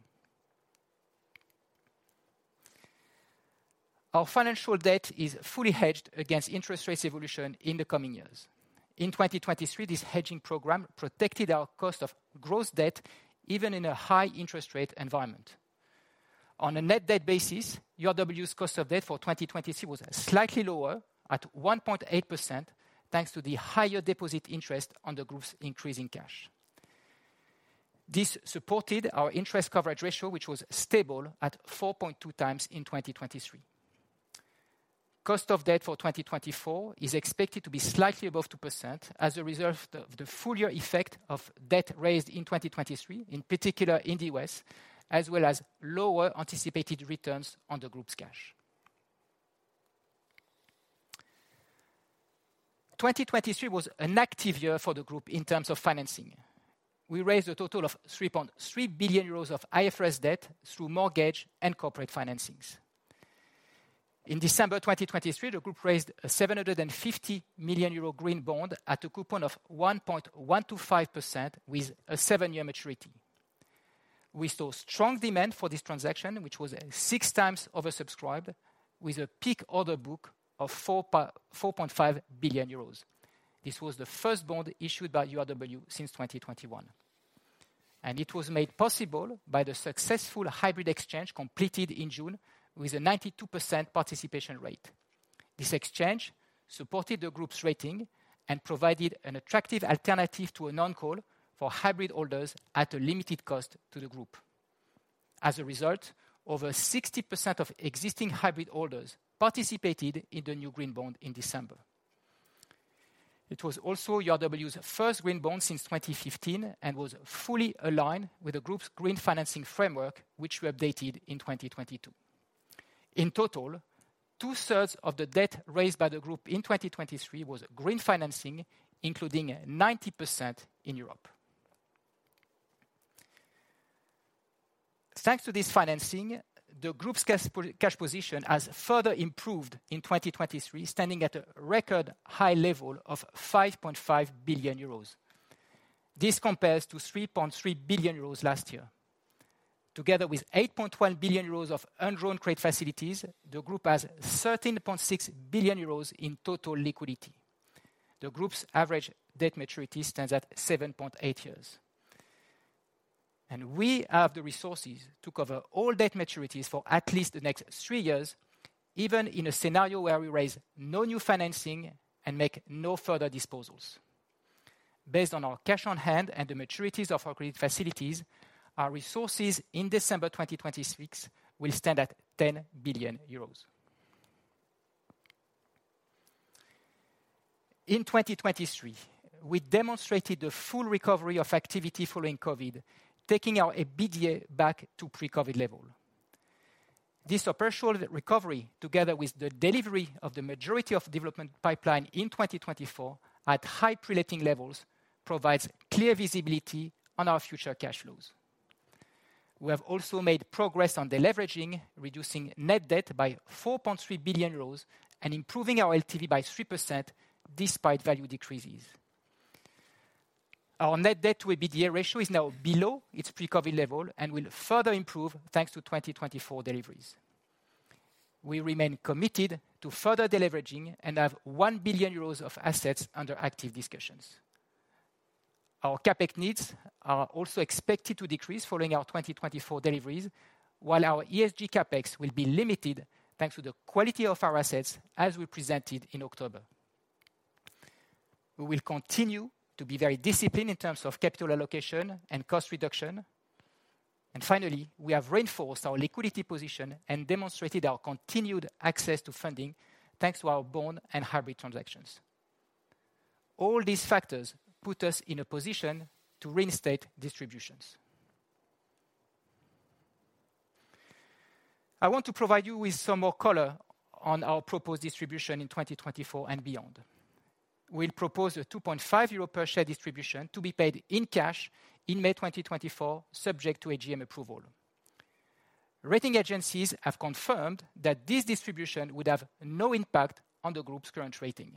Our financial debt is fully hedged against interest rates evolution in the coming years. In 2023, this hedging program protected our cost of gross debt, even in a high interest rate environment. On a net debt basis, URW's cost of debt for 2022 was slightly lower at 1.8%, thanks to the higher deposit interest on the group's increasing cash. This supported our interest coverage ratio, which was stable at 4.2 times in 2023. Cost of debt for 2024 is expected to be slightly above 2% as a result of the full year effect of debt raised in 2023, in particular in the U.S., as well as lower anticipated returns on the group's cash. 2023 was an active year for the group in terms of financing. We raised a total of 3.3 billion euros of IFRS debt through mortgage and corporate financings. In December 2023, the group raised a 750 million euro green bond at a coupon of 1.125% with a seven-year maturity. We saw strong demand for this transaction, which was six times oversubscribed, with a peak order book of 4.5 billion euros. This was the first bond issued by URW since 2021, and it was made possible by the successful hybrid exchange completed in June with a 92% participation rate. This exchange supported the group's rating and provided an attractive alternative to a non-call for hybrid holders at a limited cost to the group. As a result, over 60% of existing hybrid holders participated in the new green bond in December. It was also URW's first green bond since 2015 and was fully aligned with the group's green financing framework, which we updated in 2022. In total, two-thirds of the debt raised by the group in 2023 was green financing, including 90% in Europe. Thanks to this financing, the group's cash position has further improved in 2023, standing at a record high level of 5.5 billion euros. This compares to 3.3 billion euros last year. Together with 8.1 billion euros of undrawn credit facilities, the group has 13.6 billion euros in total liquidity. The group's average debt maturity stands at 7.8 years. We have the resources to cover all debt maturities for at least the next 3 years, even in a scenario where we raise no new financing and make no further disposals. Based on our cash on hand and the maturities of our credit facilities, our resources in December 2026 will stand at 10 billion euros. In 2023, we demonstrated the full recovery of activity following COVID, taking our EBITDA back to pre-COVID level. This operational recovery, together with the delivery of the majority of development pipeline in 2024 at high pre-letting levels, provides clear visibility on our future cash flows. We have also made progress on deleveraging, reducing net debt by 4.3 billion euros and improving our LTV by 3% despite value decreases. Our net debt to EBITDA ratio is now below its pre-COVID level and will further improve thanks to 2024 deliveries. We remain committed to further deleveraging and have 1 billion euros of assets under active discussions. Our CapEx needs are also expected to decrease following our 2024 deliveries, while our ESG CapEx will be limited, thanks to the quality of our assets as we presented in October. We will continue to be very disciplined in terms of capital allocation and cost reduction. And finally, we have reinforced our liquidity position and demonstrated our continued access to funding, thanks to our bond and hybrid transactions. All these factors put us in a position to reinstate distributions. I want to provide you with some more color on our proposed distribution in 2024 and beyond. We'll propose a 2.5 euro per share distribution to be paid in cash in May 2024, subject to AGM approval. Rating agencies have confirmed that this distribution would have no impact on the group's current rating.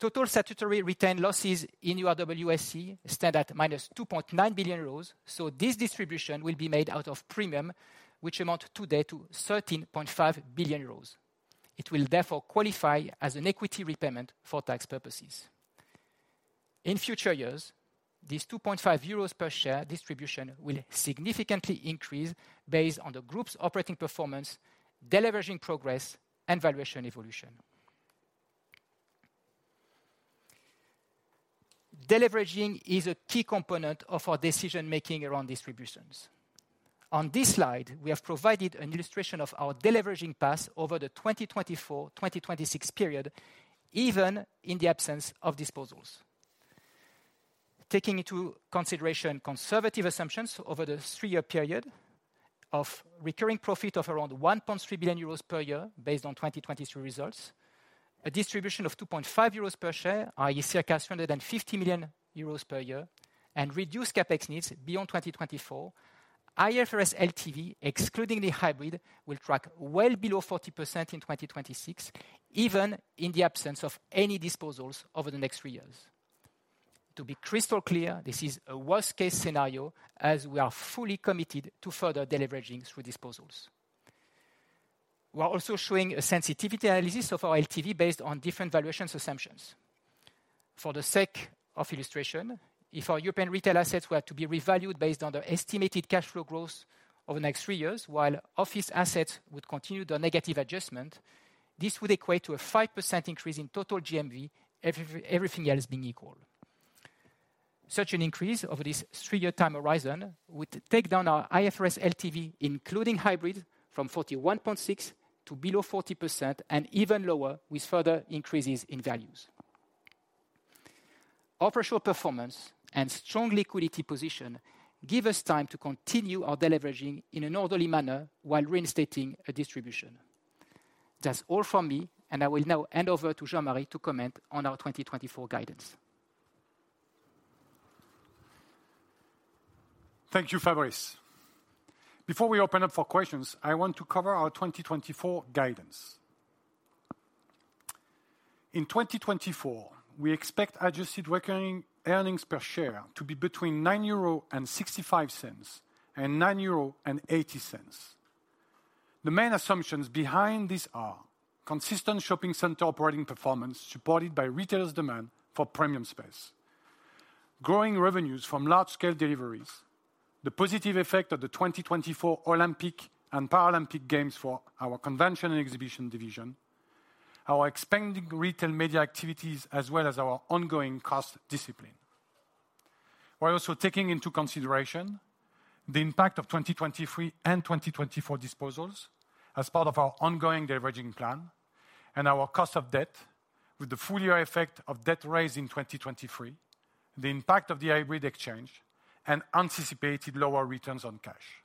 Total statutory retained losses in URW SE stand at minus 2.9 billion euros, so this distribution will be made out of premium, which amount today to 13.5 billion euros. It will therefore qualify as an equity repayment for tax purposes. In future years, this 2.5 euros per share distribution will significantly increase based on the group's operating performance, deleveraging progress, and valuation evolution. Deleveraging is a key component of our decision-making around distributions. On this slide, we have provided an illustration of our deleveraging path over the 2024-2026 period, even in the absence of disposals. Taking into consideration conservative assumptions over the three-year period of recurring profit of around 1.3 billion euros per year, based on 2023 results, a distribution of 2.5 euros per share, i.e., circa 150 million euros per year, and reduced CapEx needs beyond 2024, IFRS LTV, excluding the hybrid, will track well below 40% in 2026, even in the absence of any disposals over the next three years. To be crystal clear, this is a worst-case scenario, as we are fully committed to further deleveraging through disposals. We are also showing a sensitivity analysis of our LTV based on different valuations assumptions. For the sake of illustration, if our European retail assets were to be revalued based on the estimated cash flow growth over the next three years, while office assets would continue the negative adjustment, this would equate to a 5% increase in total GMV, everything else being equal. Such an increase over this three-year time horizon would take down our IFRS LTV, including hybrid, from 41.6 to below 40%, and even lower with further increases in values. Operational performance and strong liquidity position give us time to continue our deleveraging in an orderly manner, while reinstating a distribution. That's all from me, and I will now hand over to Jean-Marie to comment on our 2024 guidance. Thank you, Fabrice. Before we open up for questions, I want to cover our 2024 guidance. In 2024, we expect adjusted recurring earnings per share to be between 9.65 euro and 9.80 euro. The main assumptions behind this are consistent shopping center operating performance, supported by retailers' demand for premium space, growing revenues from large-scale deliveries, the positive effect of the 2024 Olympic and Paralympic Games for our convention and exhibition division, our expanding retail media activities, as well as our ongoing cost discipline. We're also taking into consideration the impact of 2023 and 2024 disposals as part of our ongoing deleveraging plan and our cost of debt with the full year effect of debt raised in 2023, the impact of the hybrid exchange, and anticipated lower returns on cash.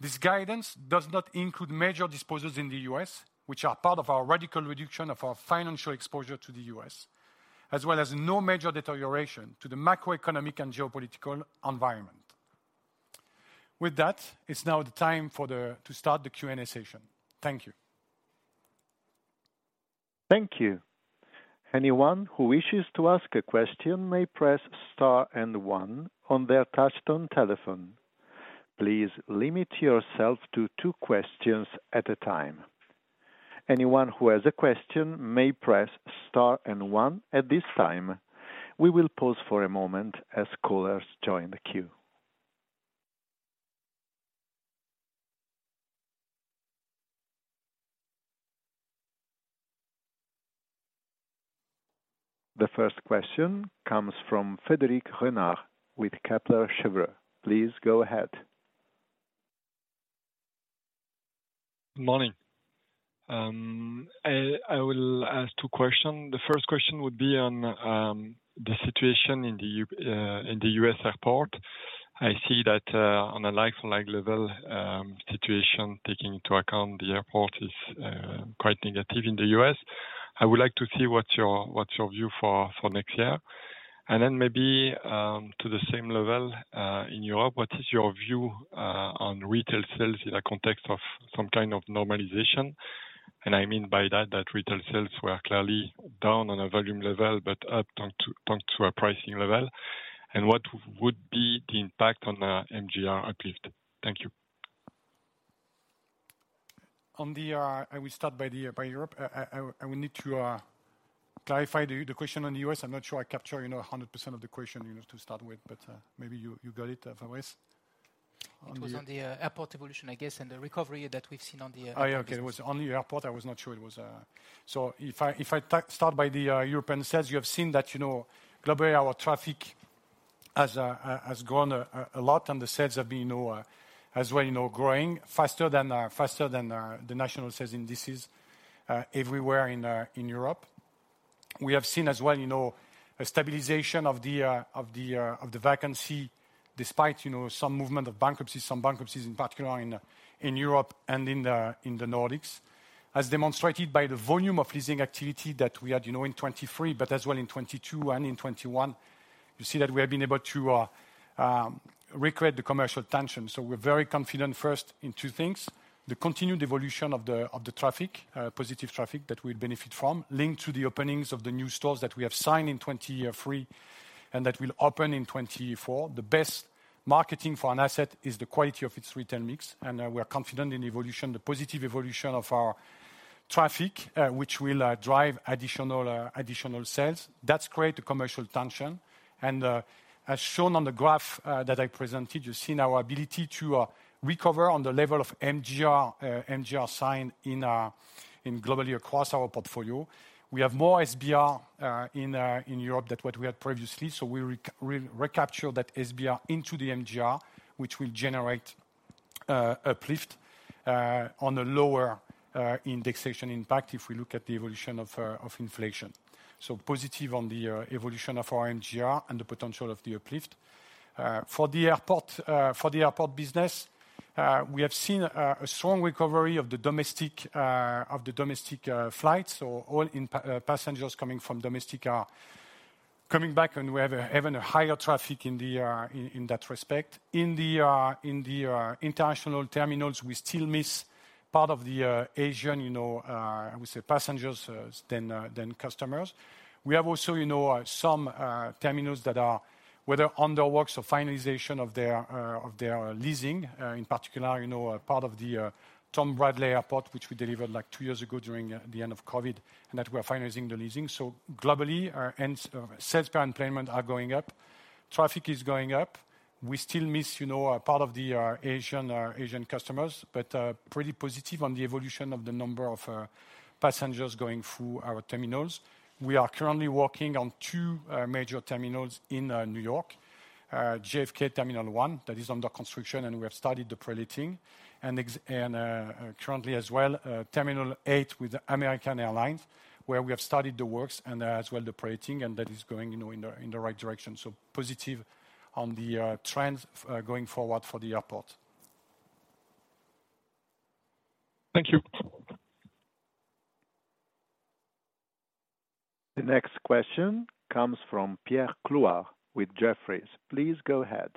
This guidance does not include major disposals in the U.S., which are part of our radical reduction of our financial exposure to the U.S., as well as no major deterioration to the macroeconomic and geopolitical environment. With that, it's now the time to start the Q&A session. Thank you. Thank you. Anyone who wishes to ask a question may press star and one on their touchtone telephone. Please limit yourself to two questions at a time. Anyone who has a question may press star and one at this time. We will pause for a moment as callers join the queue. The first question comes from Frédéric Renard with Kepler Cheuvreux. Please go ahead. Morning. I will ask two questions. The first question would be on the situation in the U.S. airport. I see that on a like-for-like level, situation, taking into account the airport is quite negative in the U.S. I would like to see what's your view for next year. And then maybe to the same level in Europe, what is your view on retail sales in the context of some kind of normalization? I mean by that, that retail sales were clearly down on a volume level, but up on a pricing level, and what would be the impact on the MGR uplift? Thank you. I will start by Europe. I will need to clarify the question on the U.S.. I'm not sure I capture 100% of the question, you know, to start with, but maybe you got it, Fabrice. It was on the airport evolution, I guess, and the recovery that we've seen on the Oh, yeah, okay. It was on the airport. I was not sure it was. So if I start by the European sales, you have seen that, you know, globally, our traffic has grown a lot, and the sales have been, as well, you know, growing faster than the national sales indices everywhere in Europe. We have seen as well, you know, a stabilization of the vacancy, despite, you know, some movement of bankruptcy. Some bankruptcies, in particular in Europe and in the Nordics. As demonstrated by the volume of leasing activity that we had, you know, in 2023, but as well in 2022 and in 2021. You see that we have been able to recreate the commercial tension. So we're very confident, first, in two things: the continued evolution of the traffic, positive traffic that we benefit from, linked to the openings of the new stores that we have signed in 2023, and that will open in 2024. The best marketing for an asset is the quality of its retail mix, and we are confident in the evolution, the positive evolution of our traffic, which will drive additional sales. That creates a commercial tension, and as shown on the graph that I presented, you've seen our ability to recover on the level of MGR, MGR signing globally across our portfolio. We have more SBR in Europe than what we had previously, so we recapture that SBR into the MGR, which will generate-... Uplift on the lower indexation impact if we look at the evolution of inflation. So positive on the evolution of our MGR and the potential of the uplift. For the airport business, we have seen a strong recovery of the domestic flights or all in passengers coming from domestic are coming back, and we have even a higher traffic in that respect. In the international terminals, we still miss part of the Asian, you know, we say passengers, then customers. We have also, you know, some terminals that are whether under works or finalization of their, of their leasing, in particular, you know, a part of the, Tom Bradley Airport, which we delivered, like, 2 years ago during, the end of COVID, and that we are finalizing the leasing. So globally, our ends, sales per payment are going up. Traffic is going up. We still miss, you know, a part of the, Asian or Asian customers, but, pretty positive on the evolution of the number of, passengers going through our terminals. We are currently working on 2, major terminals in, New York. JFK Terminal 1, that is under construction, and we have started the pre-leasing. Currently as well, Terminal 8 with American Airlines, where we have started the works and, as well, the pre-leasing, and that is going, you know, in the right direction. So positive on the trends going forward for the airport. Thank you. The next question comes from Pierre Clouard with Jefferies. Please go ahead.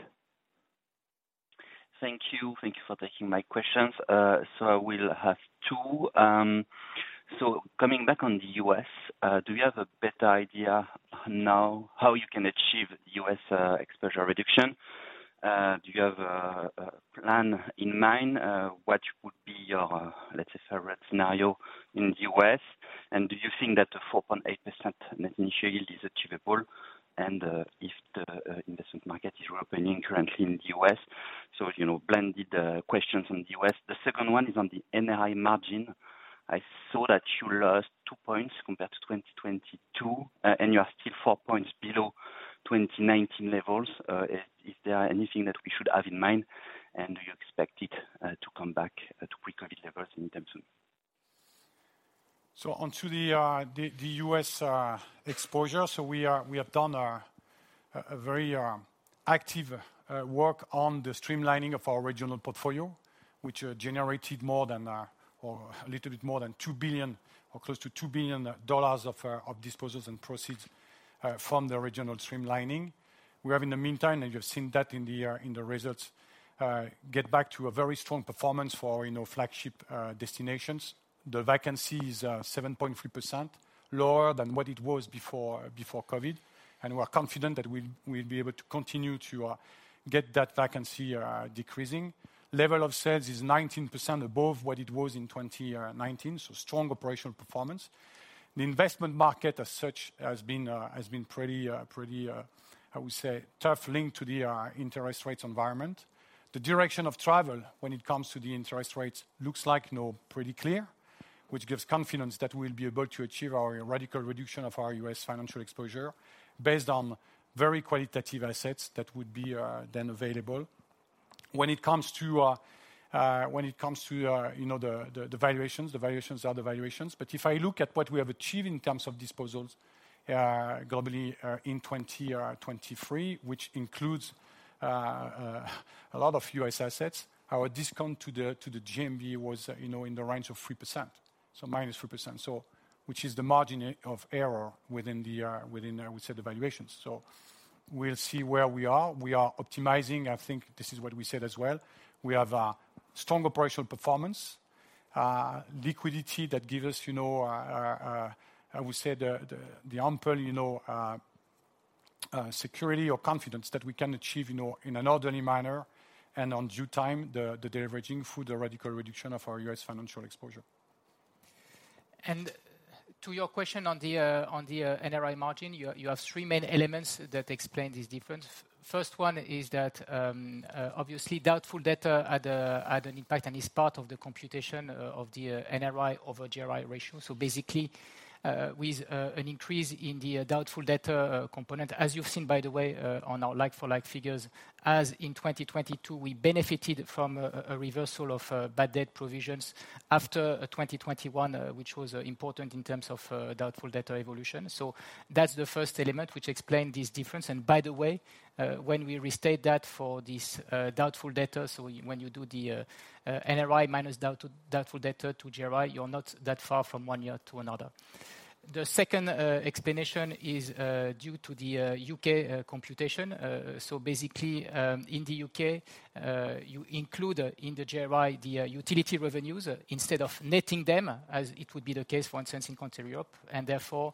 Thank you. Thank you for taking my questions. So I will have two. So coming back on the U.S., do you have a better idea now how you can achieve U.S. exposure reduction? Do you have a plan in mind, what would be your, let's say, scenario in the U.S.? And do you think that the 4.8% net initial yield is achievable, and if the investment market is reopening currently in the U.S.? So, you know, blended questions on the U.S. The second one is on the NRI margin. I saw that you lost 2 points compared to 2022, and you are still 4 points below 2019 levels. Is there anything that we should have in mind, and do you expect it to come back to pre-COVID levels anytime soon? So onto the U.S. exposure. We have done a very active work on the streamlining of our regional portfolio, which generated more than, or a little bit more than $2 billion, or close to $2 billion of disposals and proceeds from the regional streamlining. We have in the meantime, and you've seen that in the results, get back to a very strong performance for, you know, flagship destinations. The vacancy is 7.3%, lower than what it was before COVID, and we are confident that we'll be able to continue to get that vacancy decreasing. Level of sales is 19% above what it was in 2019, so strong operational performance. The investment market as such has been, has been pretty, pretty, how we say, tough link to the interest rates environment. The direction of travel, when it comes to the interest rates, looks like, you know, pretty clear, which gives confidence that we'll be able to achieve our radical reduction of our U.S. financial exposure based on very qualitative assets that would be then available. When it comes to, when it comes to, you know, the, the, the valuations, the valuations are the valuations. But if I look at what we have achieved in terms of disposals, globally, in 2023, which includes a lot of U.S. assets, our discount to the, to the GMV was, you know, in the range of 3%, so -3%. So which is the margin of error within the, within, we said, the valuations. So we'll see where we are. We are optimizing. I think this is what we said as well. We have a strong operational performance, liquidity that give us, you know, how we say, the, the, the ample, you know, security or confidence that we can achieve, you know, in an orderly manner and on due time, the, the deleveraging through the radical reduction of our U.S. financial exposure. To your question on the NRI margin, you have three main elements that explain this difference. First one is that, obviously, doubtful data had an impact and is part of the computation of the NRI over GRI ratio. So basically, with an increase in the doubtful data component, as you've seen, by the way, on our like-for-like figures, as in 2022, we benefited from a reversal of bad debt provisions after 2021, which was important in terms of doubtful data evolution. So that's the first element which explained this difference. And by the way, when we restate that for this doubtful data, so when you do the NRI minus doubtful data to GRI, you're not that far from one year to another. The second explanation is due to the U.K. computation. So basically, in the U.K., you include in the GRI the utility revenues instead of netting them, as it would be the case, for instance, in Continental Europe, and therefore,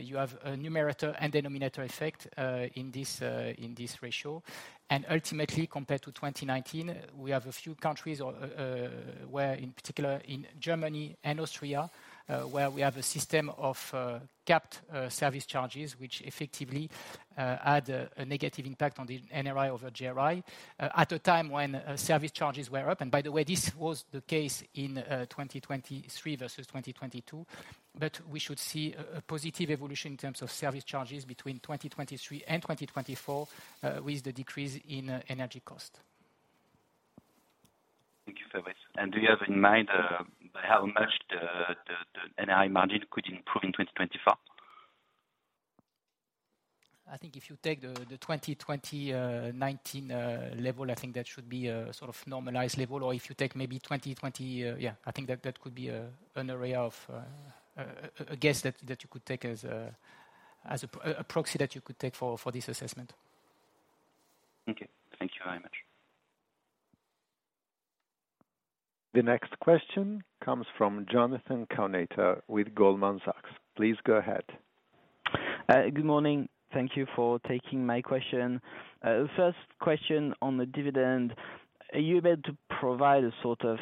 you have a numerator and denominator effect in this ratio. And ultimately, compared to 2019, we have a few countries or where, in particular in Germany and Austria, where we have a system of capped service charges, which effectively had a negative impact on the NRI over GRI, at a time when service charges were up. And by the way, this was the case in 2023 versus 2022, but we should see a positive evolution in terms of service charges between 2023 and 2024, with the decrease in energy cost. Thank you, Fabrice. And do you have in mind by how much the NI margin could improve in 2024? I think if you take the 2019 level, I think that should be a sort of normalized level, or if you take maybe 2020, yeah, I think that that could be a range of guesses that you could take as a proxy that you could take for this assessment. Okay. Thank you very much. The next question comes from Jonathan Kownator with Goldman Sachs. Please go ahead. Good morning. Thank you for taking my question. First question on the dividend: are you able to provide a sort of,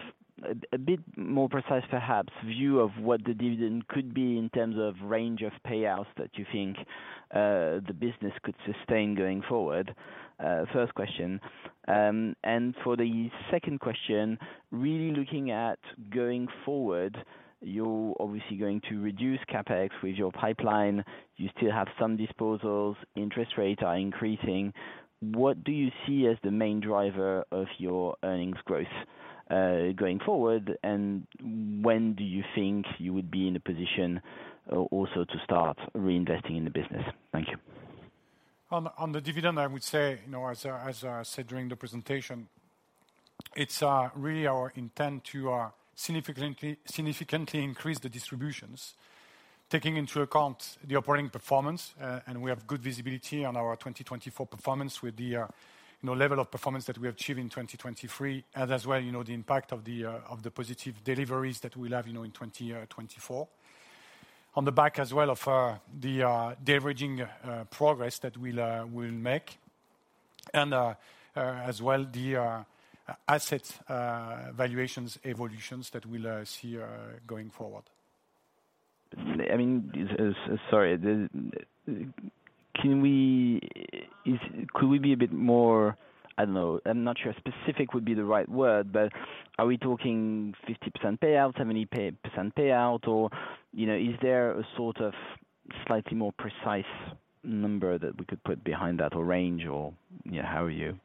a bit more precise, perhaps, view of what the dividend could be in terms of range of payouts that you think, the business could sustain going forward? First question. And for the second question, really looking at going forward, you're obviously going to reduce CapEx with your pipeline. You still have some disposals, interest rates are increasing. What do you see as the main driver of your earnings growth, going forward? And when do you think you would be in a position, also to start reinvesting in the business? Thank you. On the dividend, I would say, you know, as I said, during the presentation, it's really our intent to significantly increase the distributions, taking into account the operating performance. And we have good visibility on our 2024 performance with the, you know, level of performance that we achieved in 2023, as well, you know, the impact of the positive deliveries that we'll have, you know, in 2024. On the back as well of the deleveraging progress that we'll make. And as well, the asset valuations evolutions that we'll see going forward. I mean, can we, could we be a bit more, I don't know, I'm not sure specific would be the right word, but are we talking 50% payout, how many pay, percent payout, or, you know, is there a sort of slightly more precise number that we could put behind that, or range or, you know, how you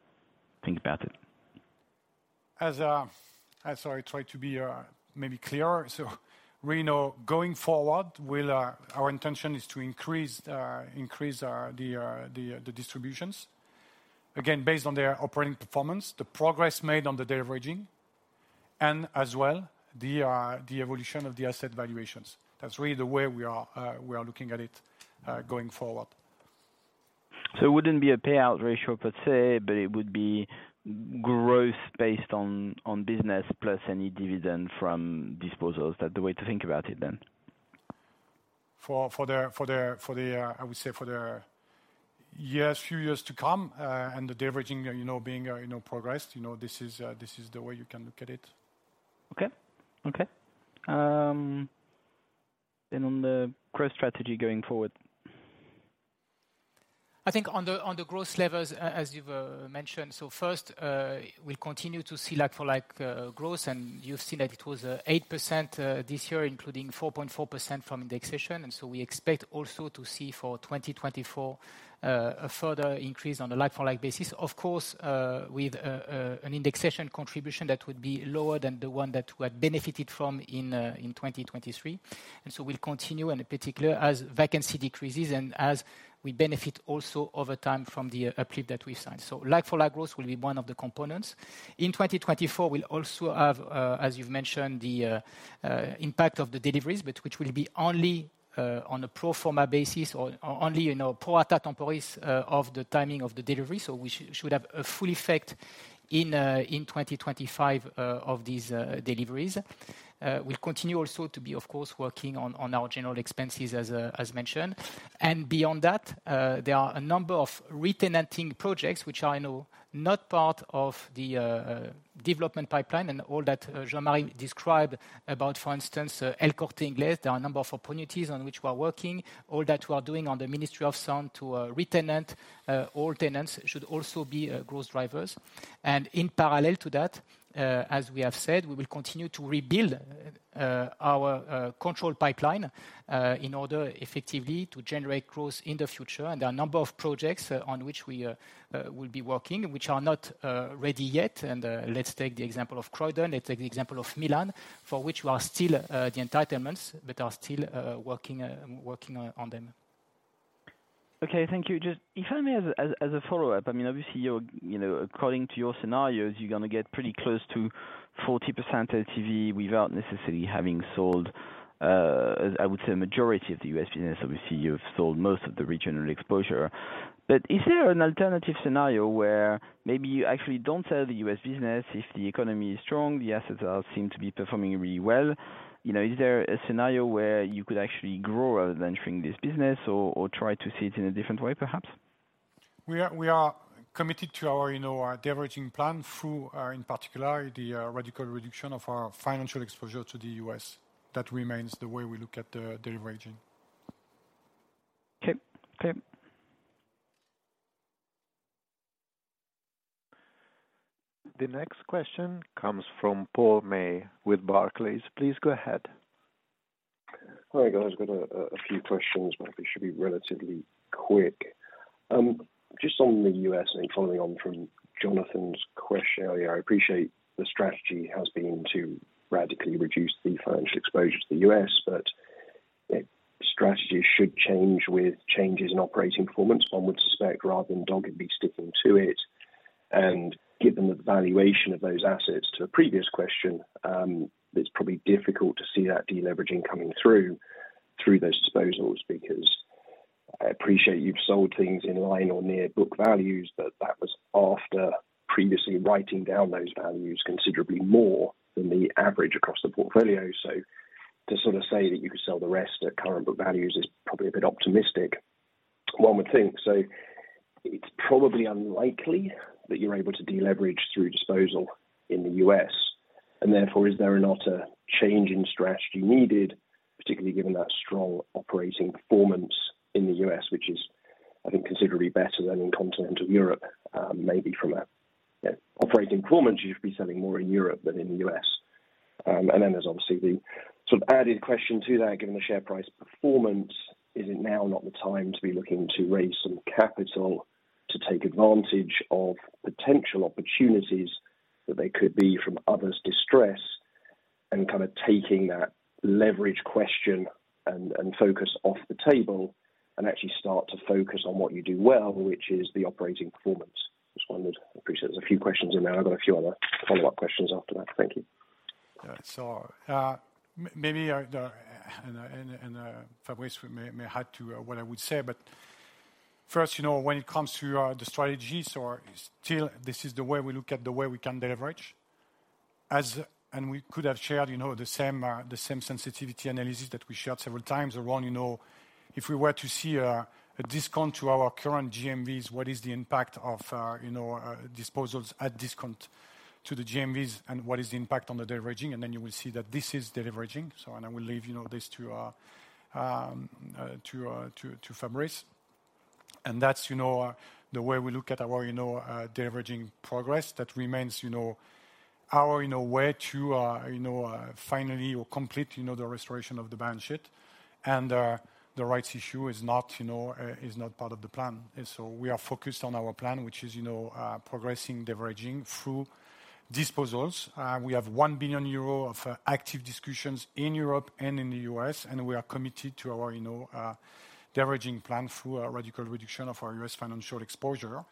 think about it? As I try to be maybe clearer, so we know going forward, our intention is to increase the distributions. Again, based on their operating performance, the progress made on the deleveraging, and as well, the evolution of the asset valuations. That's really the way we are looking at it going forward. So it wouldn't be a payout ratio, per se, but it would be growth based on, on business, plus any dividend from disposals. Is that the way to think about it, then? For the few years to come, and the deleveraging, you know, being progressed, you know, this is the way you can look at it. Okay. Okay. Then on the growth strategy going forward? I think on the growth levels, as you've mentioned, so first, we'll continue to see like-for-like growth, and you've seen that it was 8% this year, including 4.4% from indexation. And so we expect also to see for 2024 a further increase on the like-for-like basis. Of course, with an indexation contribution that would be lower than the one that we had benefited from in 2023. And so we'll continue, and in particular, as vacancy decreases and as we benefit also over time from the clip that we've signed. So like-for-like growth will be one of the components. In 2024, we'll also have, as you've mentioned, the impact of the deliveries, but which will be only on a pro forma basis or only, you know, pro rata temporis, of the timing of the delivery. So we should have a full effect in 2025 of these deliveries. We'll continue also to be, of course, working on our general expenses as mentioned. And beyond that, there are a number of re-tenanting projects, which are, I know, not part of the development pipeline and all that Jean-Marie described about, for instance, El Corte Inglés. There are a number of opportunities on which we are working, all that we are doing on the Ministry of Sound to re-tenant. All tenants should also be growth drivers. And in parallel to that, as we have said, we will continue to rebuild our control pipeline in order effectively to generate growth in the future. There are a number of projects on which we will be working, which are not ready yet. Let's take the example of Croydon. Let's take the example of Milan, for which we are still the entitlements, but are still working on them. Okay, thank you. Just if I may, as a follow-up, I mean, obviously, you're, you know, according to your scenarios, you're gonna get pretty close to 40% LTV without necessarily having sold, I would say, majority of the U.S. business. Obviously, you've sold most of the regional exposure. But is there an alternative scenario where maybe you actually don't sell the U.S. business if the economy is strong, the assets are, seem to be performing really well? You know, is there a scenario where you could actually grow rather than shrinking this business or try to see it in a different way, perhaps? We are committed to our, you know, our deleveraging plan through, in particular, the radical reduction of our financial exposure to the U.S. That remains the way we look at the deleveraging. Okay. Okay. The next question comes from Paul May with Barclays. Please go ahead. Hi, guys. I've got a few questions, but they should be relatively quick. Just on the U.S., and following on from Jonathan's question earlier, I appreciate the strategy has been to radically reduce the financial exposure to the U.S., but strategies should change with changes in operating performance, one would suspect, rather than doggedly sticking to it. And given the valuation of those assets to a previous question, it's probably difficult to see that deleveraging coming through those disposals, because I appreciate you've sold things in line or near book values, but that was after previously writing down those values considerably more than the average across the portfolio. So to sort of say that you could sell the rest at current book values is probably a bit optimistic, one would think. So it's probably unlikely that you're able to deleverage through disposal in the U.S., and therefore, is there not a change in strategy needed, particularly given that strong operating performance in the U.S., which is, I think, considerably better than in continental Europe, maybe from a operating performance, you should be selling more in Europe than in the U.S. And then there's obviously the sort of added question to that, given the share price performance, is it now not the time to be looking to raise some capital to take advantage of potential opportunities that they could be from others' distress, and kind of taking that leverage question and focus off the table and actually start to focus on what you do well, which is the operating performance? Just wondered. I appreciate there's a few questions in there. I've got a few other follow-up questions after that. Thank you. Maybe Fabrice Mouchel had to, what I would say, but first, you know, when it comes to the strategy, so still, this is the way we look at the way we can leverage. And we could have shared, you know, the same sensitivity analysis that we shared several times around, you know, if we were to see a discount to our current GMVs, what is the impact of disposals at discount to the GMVs, and what is the impact on the deleveraging? And then you will see that this is deleveraging. So I will leave, you know, this to Fabrice. And that's, you know, the way we look at our deleveraging progress. That remains, you know, our, you know, way to, you know, finally or complete, you know, the restoration of the balance sheet. And, the rights issue is not, you know, is not part of the plan. And so we are focused on our plan, which is, you know, progressing, deleveraging through disposals. We have 1 billion euro of active discussions in Europe and in the U.S., and we are committed to our, you know, deleveraging plan through a radical reduction of our U.S. financial exposure.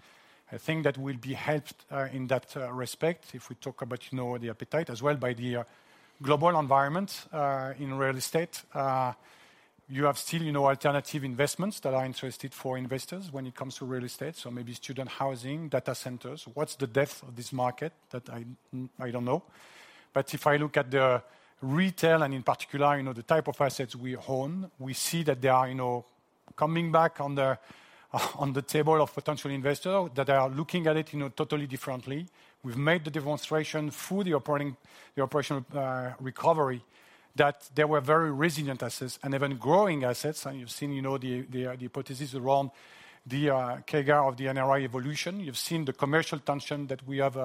I think that we'll be helped, in that, respect if we talk about, you know, the appetite as well, by the, global environment, in real estate. You have still, you know, alternative investments that are interested for investors when it comes to real estate, so maybe student housing, data centers. What's the depth of this market? That I don't know. But if I look at the retail and in particular, you know, the type of assets we own, we see that they are, you know, coming back on the table of potential investors, that are looking at it, you know, totally differently. We've made the demonstration through the operational recovery, that they were very resilient assets and even growing assets. And you've seen, you know, the hypothesis around the kicker of the NRI evolution. You've seen the commercial traction that we have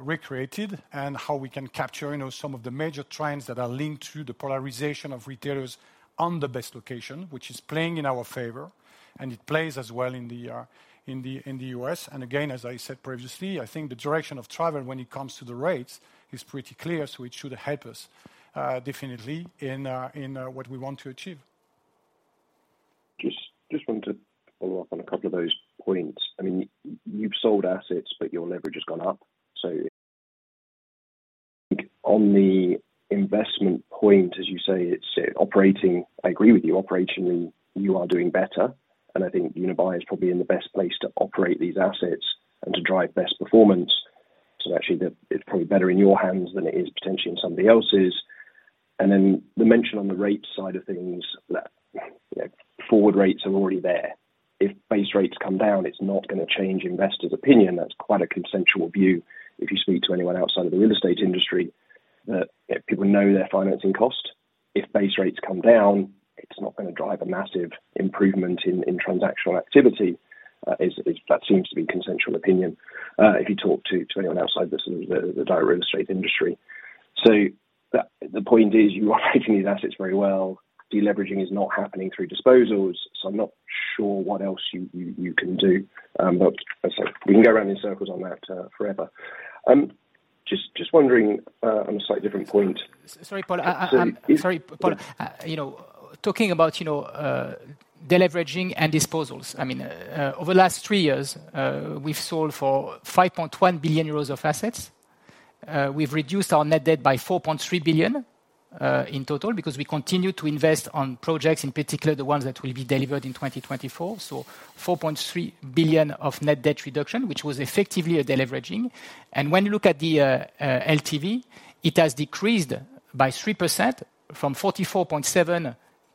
recreated, and how we can capture, you know, some of the major trends that are linked to the polarization of retailers on the best location, which is playing in our favor, and it plays as well in the U.S. And again, as I said previously, I think the direction of travel when it comes to the rates is pretty clear, so it should help us definitely in what we want to achieve. Just, just wanted to follow up on a couple of those points. I mean, you've sold assets, but your leverage has gone up. So on the investment point, as you say, it's operating... I agree with you, operationally, you are doing better, and I think Unibail is probably in the best place to operate these assets and to drive best performance. So actually, it's probably better in your hands than it is potentially in somebody else's. And then the mention on the rate side of things, that forward rates are already there. If base rates come down, it's not gonna change investors' opinion. That's quite a consensual view, if you speak to anyone outside of the real estate industry, that people know their financing cost. If base rates come down, it's not gonna drive a massive improvement in transactional activity. That seems to be consensual opinion, if you talk to anyone outside the sort of the direct real estate industry. So the point is, you are making these assets very well. Deleveraging is not happening through disposals, so I'm not sure what else you can do. But as I said, we can go around in circles on that, forever. Just wondering, on a slightly different point- Sorry, Paul. Yes. Sorry, Paul. You know, talking about, you know, deleveraging and disposals, I mean, over the last three years, we've sold for 5.1 billion euros of assets. We've reduced our net debt by 4.3 billion, in total, because we continue to invest on projects, in particular, the ones that will be delivered in 2024. So 4.3 billion of net debt reduction, which was effectively a deleveraging. And when you look at the LTV, it has decreased by 3% from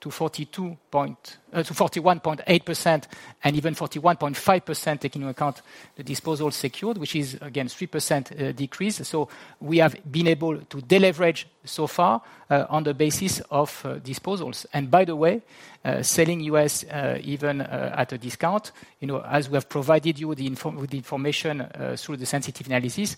44.7%-41.8%, and even 41.5%, taking into account the disposal secured, which is again, 3%, decrease. So we have been able to deleverage so far, on the basis of, disposals. And by the way, selling U.S., even at a discount, you know, as we have provided you with the information through the sensitivity analysis,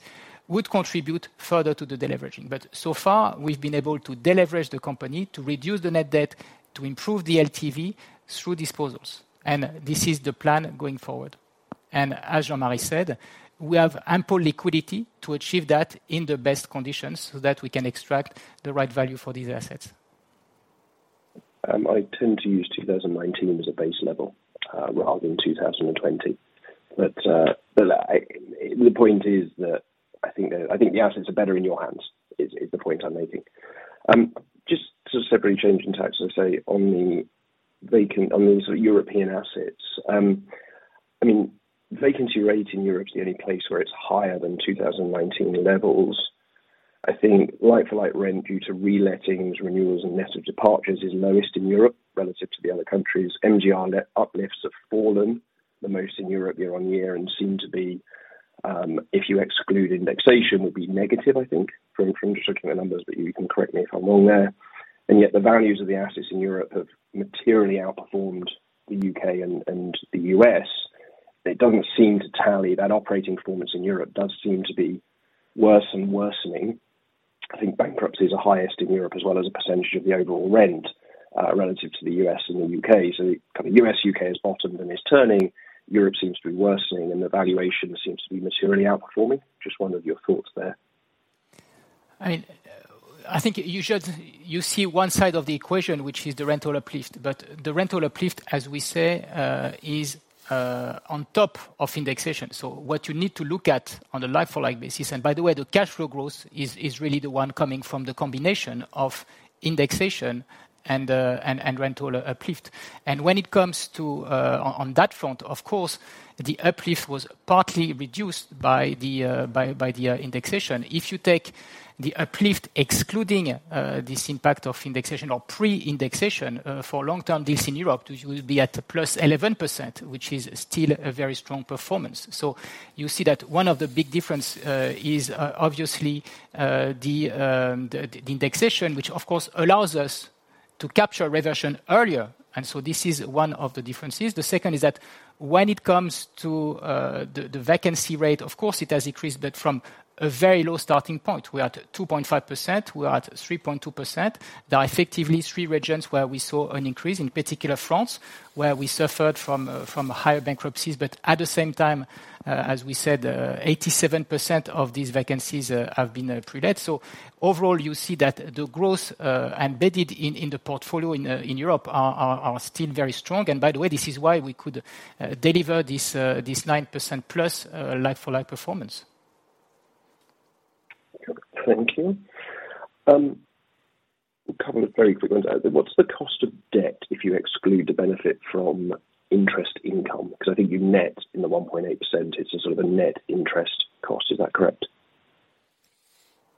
would contribute further to the deleveraging. But so far, we've been able to deleverage the company, to reduce the net debt, to improve the LTV through disposals. And this is the plan going forward. And as Jean-Marie said, we have ample liquidity to achieve that in the best conditions, so that we can extract the right value for these assets. I tend to use 2019 as a base level, rather than 2020. But, but I-- the point is that I think that, I think the assets are better in your hands, is, is the point I'm making. Just to separately change in tax, I'd say on the vacant, on the sort of European assets, I mean, vacancy rate in Europe is the only place where it's higher than 2019 levels. I think like-for-like rent due to relettings, renewals, and net of departures is lowest in Europe relative to the other countries. MGR net uplifts have fallen the most in Europe year-on-year, and seem to be, if you exclude indexation, would be negative, I think, from, from just looking at the numbers, but you can correct me if I'm wrong there. Yet the values of the assets in Europe have materially outperformed the U.K. and the U.S. It doesn't seem to tally. That operating performance in Europe does seem to be worse and worsening. I think bankruptcies are highest in Europe, as well as a percentage of the overall rent, relative to the U.S. and the U.K. So kind of U.S., U.K. has bottomed and is turning, Europe seems to be worsening, and the valuation seems to be materially outperforming. Just wonder of your thoughts there? I mean, I think you should, you see one side of the equation, which is the rental uplift, but the rental uplift, as we say, is on top of indexation. So what you need to look at on a like-for-like basis, and by the way, the cash flow growth is really the one coming from the combination of indexation and rental uplift. And when it comes to on that front, of course, the uplift was partly reduced by the indexation. If you take the uplift, excluding this impact of indexation or pre-indexation, for long-term deals in Europe, which will be at +11%, which is still a very strong performance. So you see that one of the big difference is obviously the indexation, which of course allows us to capture reversion earlier, and so this is one of the differences. The second is that when it comes to the vacancy rate, of course, it has increased, but from a very low starting point. We are at 2.5%, we are at 3.2%. There are effectively three regions where we saw an increase, in particular France, where we suffered from higher bankruptcies. But at the same time, as we said, 87% of these vacancies have been pre-let. So overall, you see that the growth embedded in the portfolio in Europe are still very strong. By the way, this is why we could deliver this 9%+ like-for-like performance. Thank you. A couple of very quick ones. What's the cost of debt if you exclude the benefit from interest income? Because I think you net in the 1.8%, it's a sort of a net interest cost. Is that correct?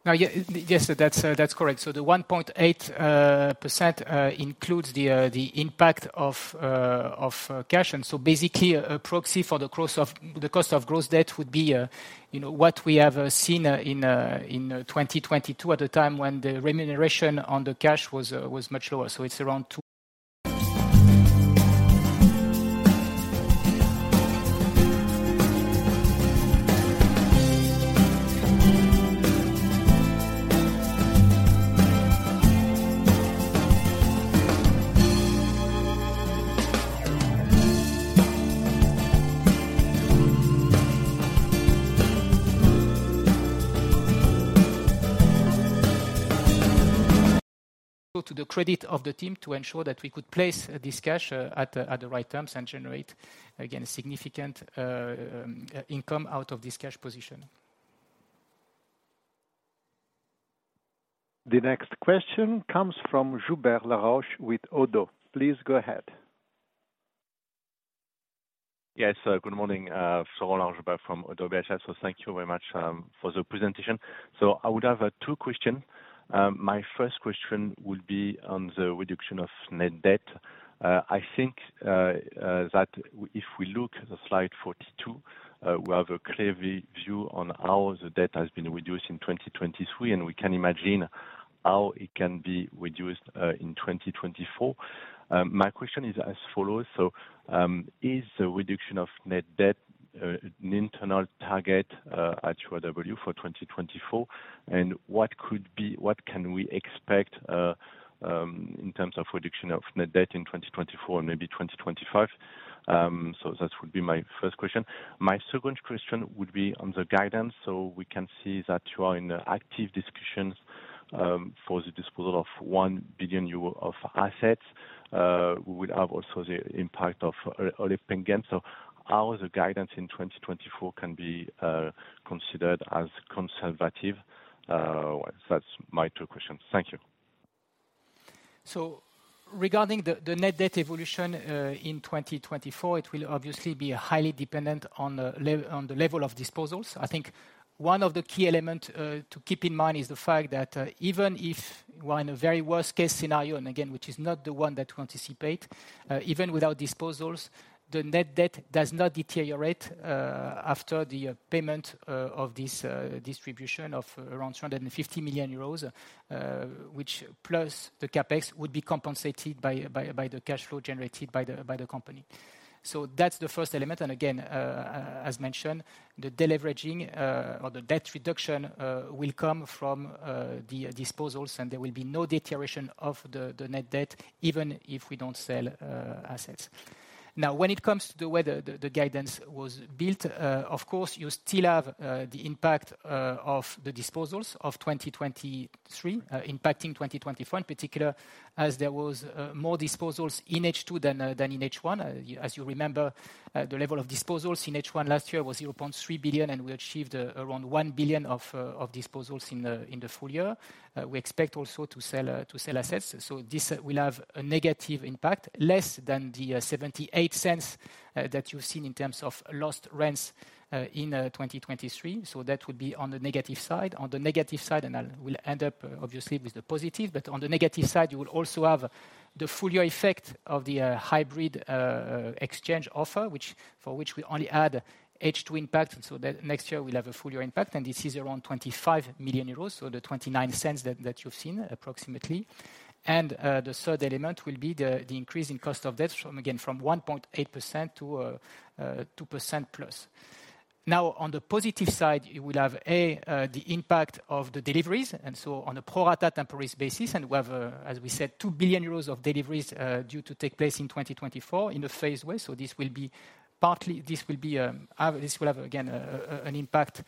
No, yeah, yes, that's correct. So the 1.8% includes the impact of cash. And so basically, a proxy for the cost of gross debt would be, you know, what we have seen in 2022, at the time when the remuneration on the cash was much lower. So it's around two- To the credit of the team, to ensure that we could place this cash at the right terms and generate, again, significant income out of this cash position. The next question comes from Florent Joubert with ODDO. Please go ahead. Yes, good morning, Florent Joubert from ODDO BHF. So thank you very much for the presentation. So I would have two question. My first question would be on the reduction of net debt. I think that if we look at the slide 42, we have a clear view on how the debt has been reduced in 2023, and we can imagine how it can be reduced in 2024. My question is as follows: So, is the reduction of net debt an internal target at URW for 2024? And what can we expect in terms of reduction of net debt in 2024 and maybe 2025? So that would be my first question. My second question would be on the guidance. So we can see that you are in active discussions for the disposal of 1 billion euro of assets. We would have also the impact of Olympic Games. So how the guidance in 2024 can be considered as conservative? Well, that's my two questions. Thank you. So regarding the net debt evolution in 2024, it will obviously be highly dependent on the level of disposals. I think one of the key element to keep in mind is the fact that even if we're in a very worst case scenario, and again, which is not the one that we anticipate, even without disposals, the net debt does not deteriorate after the payment of this distribution of around 250 million euros, which plus the CapEx would be compensated by the cash flow generated by the company. So that's the first element, and again, as mentioned, the deleveraging, or the debt reduction, will come from the disposals, and there will be no deterioration of the net debt, even if we don't sell assets. Now, when it comes to the way the guidance was built, of course, you still have the impact of the disposals of 2023, impacting 2025, in particular, as there was more disposals in H2 than in H1. As you remember, the level of disposals in H1 last year was 0.3 billion, and we achieved around 1 billion of disposals in the full year. We expect also to sell assets, so this will have a negative impact, less than the 0.78 that you've seen in terms of lost rents in 2023. So that would be on the negative side. On the negative side, and we'll end up, obviously, with the positive, but on the negative side, you will also have the full year effect of the hybrid exchange offer, which, for which we only had H2 impact, so that next year we'll have a full year impact, and this is around 25 million euros, so the 0.29 that you've seen, approximately. And the third element will be the increasing cost of debt from, again, from 1.8%-2%+. Now, on the positive side, you will have, A, the impact of the deliveries, and so on a pro rata temporary basis, and we have, as we said, 2 billion euros of deliveries, due to take place in 2024 in a phased way. So this will be partly, this will have, again, an impact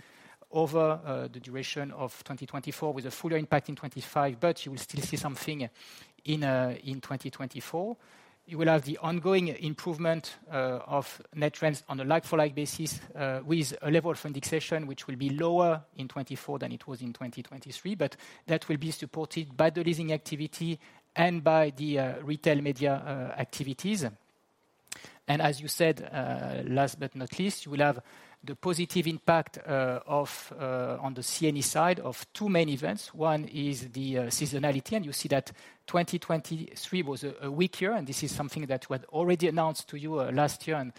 over the duration of 2024, with a fuller impact in 2025, but you will still see something in, in 2024. You will have the ongoing improvement, of net trends on a like-for-like basis, with a level of indexation, which will be lower in 2024 than it was in 2023, but that will be supported by the leasing activity and by the, retail media, activities. As you said, last but not least, you will have the positive impact on the C&E side of two main events. One is the seasonality, and you see that 2023 was a weak year, and this is something that we had already announced to you last year and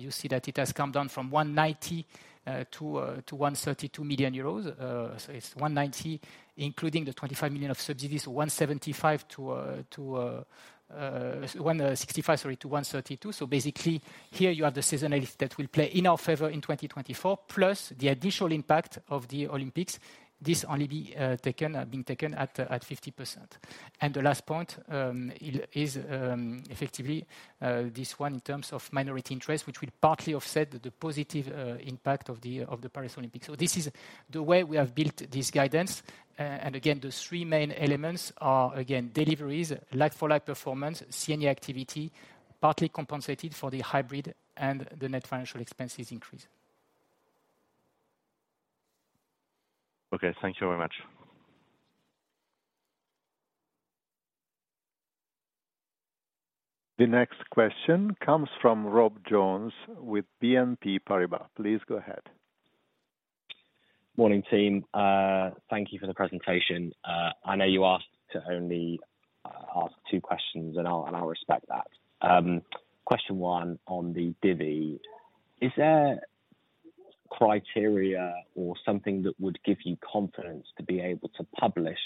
you see that it has come down from 190 million-132 million euros. So it's 190 million, including the 25 million of subsidies, 175 million-165 million, sorry, to 132 million. So basically, here you have the seasonality that will play in our favor in 2024, plus the additional impact of the Olympics. This only being taken at 50%. And the last point, it is effectively this one in terms of minority interest, which will partly offset the positive impact of the Paris Olympics. So this is the way we have built this guidance. And again, the three main elements are, again, deliveries, like-for-like performance, C&E activity, partly compensated for the hybrid and the net financial expenses increase. Okay, thank you very much. The next question comes from Rob Jones with BNP Paribas. Please go ahead. Morning, team. Thank you for the presentation. I know you asked to only ask two questions, and I'll respect that. Question one on the divvy. Is there criteria or something that would give you confidence to be able to publish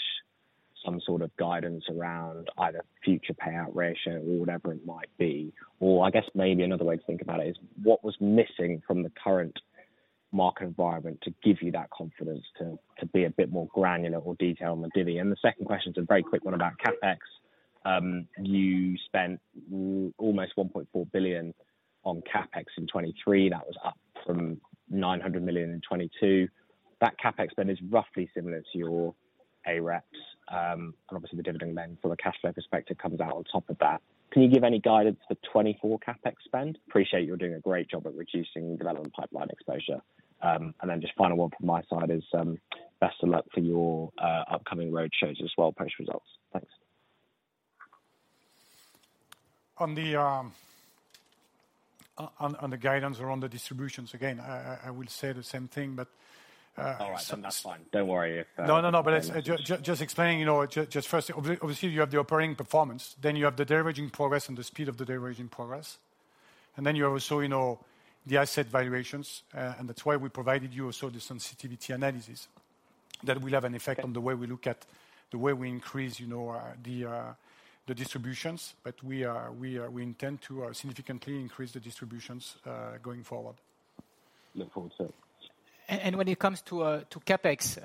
some sort of guidance around either future payout ratio or whatever it might be? Or I guess maybe another way to think about it is, what was missing from the current market environment to give you that confidence, to be a bit more granular or detailed on the divvy? And the second question is a very quick one about CapEx. You spent almost 1.4 billion on CapEx in 2023. That was up from 900 million in 2022. That CapEx spend is roughly similar to your AREPS, and obviously the dividend then, from a cash flow perspective, comes out on top of that. Can you give any guidance for 2024 CapEx spend? Appreciate you're doing a great job at reducing development pipeline exposure. And then just final one from my side is, best of luck for your, upcoming roadshows as well post results. Thanks. On the guidance or on the distributions, again, I will say the same thing, but some- All right. That's fine. Don't worry if, No, no, no. But it's just explaining, you know, just first, obviously, you have the operating performance, then you have the deleveraging progress and the speed of the deleveraging progress, and then you also, you know, the asset valuations. And that's why we provided you also the sensitivity analysis, that will have an effect on the way we look at... the way we increase, you know, the distributions, but we intend to significantly increase the distributions going forward. Look forward to it. When it comes to CapEx,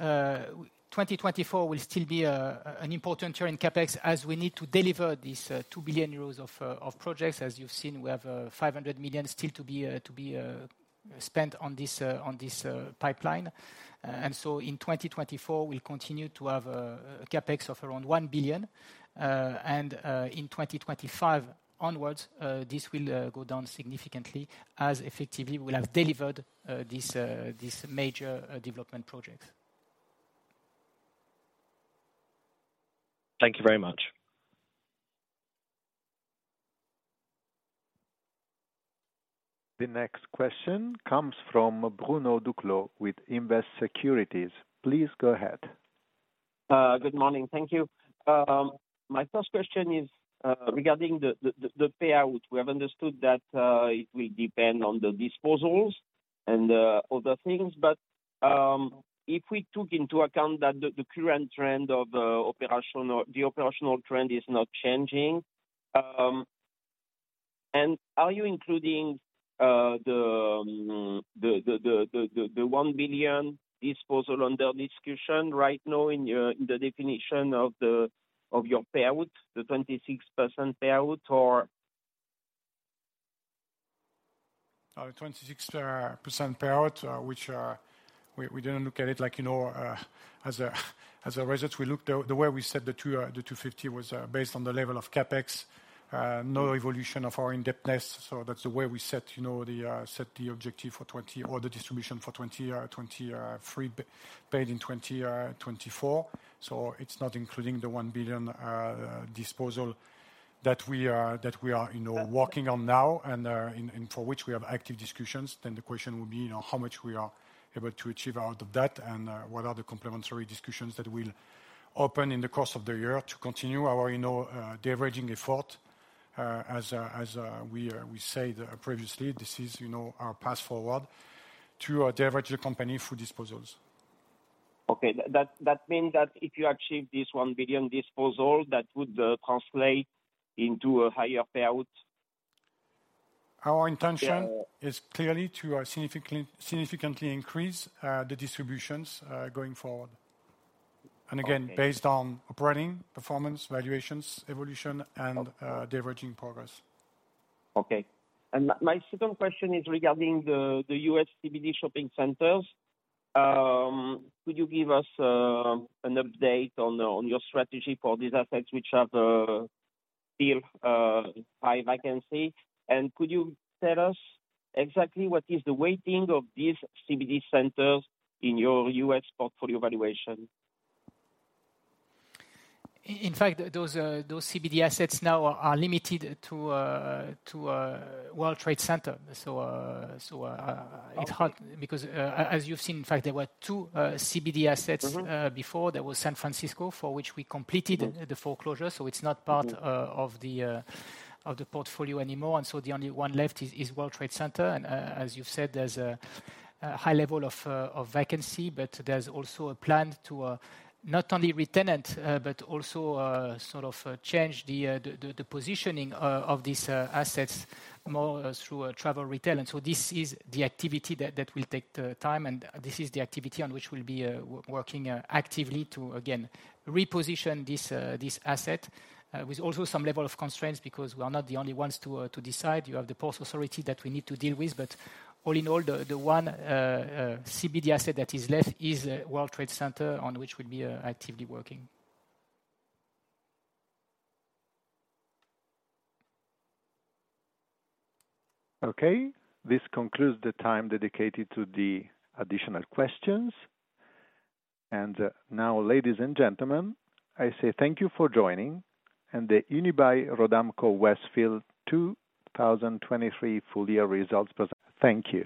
2024 will still be an important year in CapEx, as we need to deliver these 2 billion euros of projects. As you've seen, we have 500 million still to be spent on this pipeline. And so in 2024, we continue to have CapEx of around 1 billion, and in 2025 onwards, this will go down significantly, as effectively we'll have delivered this major development project. Thank you very much. The next question comes from Bruno Duclos with Invest Securities. Please go ahead. Good morning. Thank you. My first question is regarding the payout. We have understood that it will depend on the disposals and other things, but if we took into account that the current operational trend is not changing, and are you including the 1 billion disposal under discussion right now in the definition of your payout, the 26% payout, or? The 26% payout, which we didn't look at it like, you know, as a result. We looked at the way we set the 2.50 was based on the level of CapEx, no evolution of our indebtedness, so that's the way we set, you know, the set the objective for 2023, the distribution for 2023 paid in 2024. So it's not including the 1 billion disposal that we are working on now, and for which we have active discussions. Then the question will be, you know, how much we are able to achieve out of that, and what are the complementary discussions that will open in the course of the year to continue our, you know, deleveraging effort, as we said previously, this is, you know, our path forward to leverage the company through disposals. Okay. That means that if you achieve this 1 billion disposal, that would translate into a higher payout? Our intention is clearly to significantly increase the distributions going forward. Okay. Again, based on operating performance, valuations, evolution, and deleveraging progress. Okay. And my second question is regarding the U.S. CBD shopping centers. Could you give us an update on your strategy for these assets which have still high vacancy? And could you tell us exactly what is the weighting of these CBD centers in your U.S. portfolio valuation? In fact, those CBD assets now are limited to, it's hard because, as you've seen, in fact, there were two CBD assets before. There was San Francisco, for which we completed the foreclosure, so it's not part of the portfolio anymore. And so the only one left is World Trade Center, and as you've said, there's a high level of vacancy, but there's also a plan to not only retenant, but also sort of change the positioning of these assets more through travel retail. And so this is the activity that will take the time, and this is the activity on which we'll be working actively to again reposition this asset, with also some level of constraints, because we are not the only ones to decide. You have the Port Authority that we need to deal with, but all in all, the one CBD asset that is left is World Trade Center, on which we'll be actively working. Okay, this concludes the time dedicated to the additional questions. Now, ladies and gentlemen, I say thank you for joining, and the Unibail-Rodamco-Westfield 2023 full year results present thank you.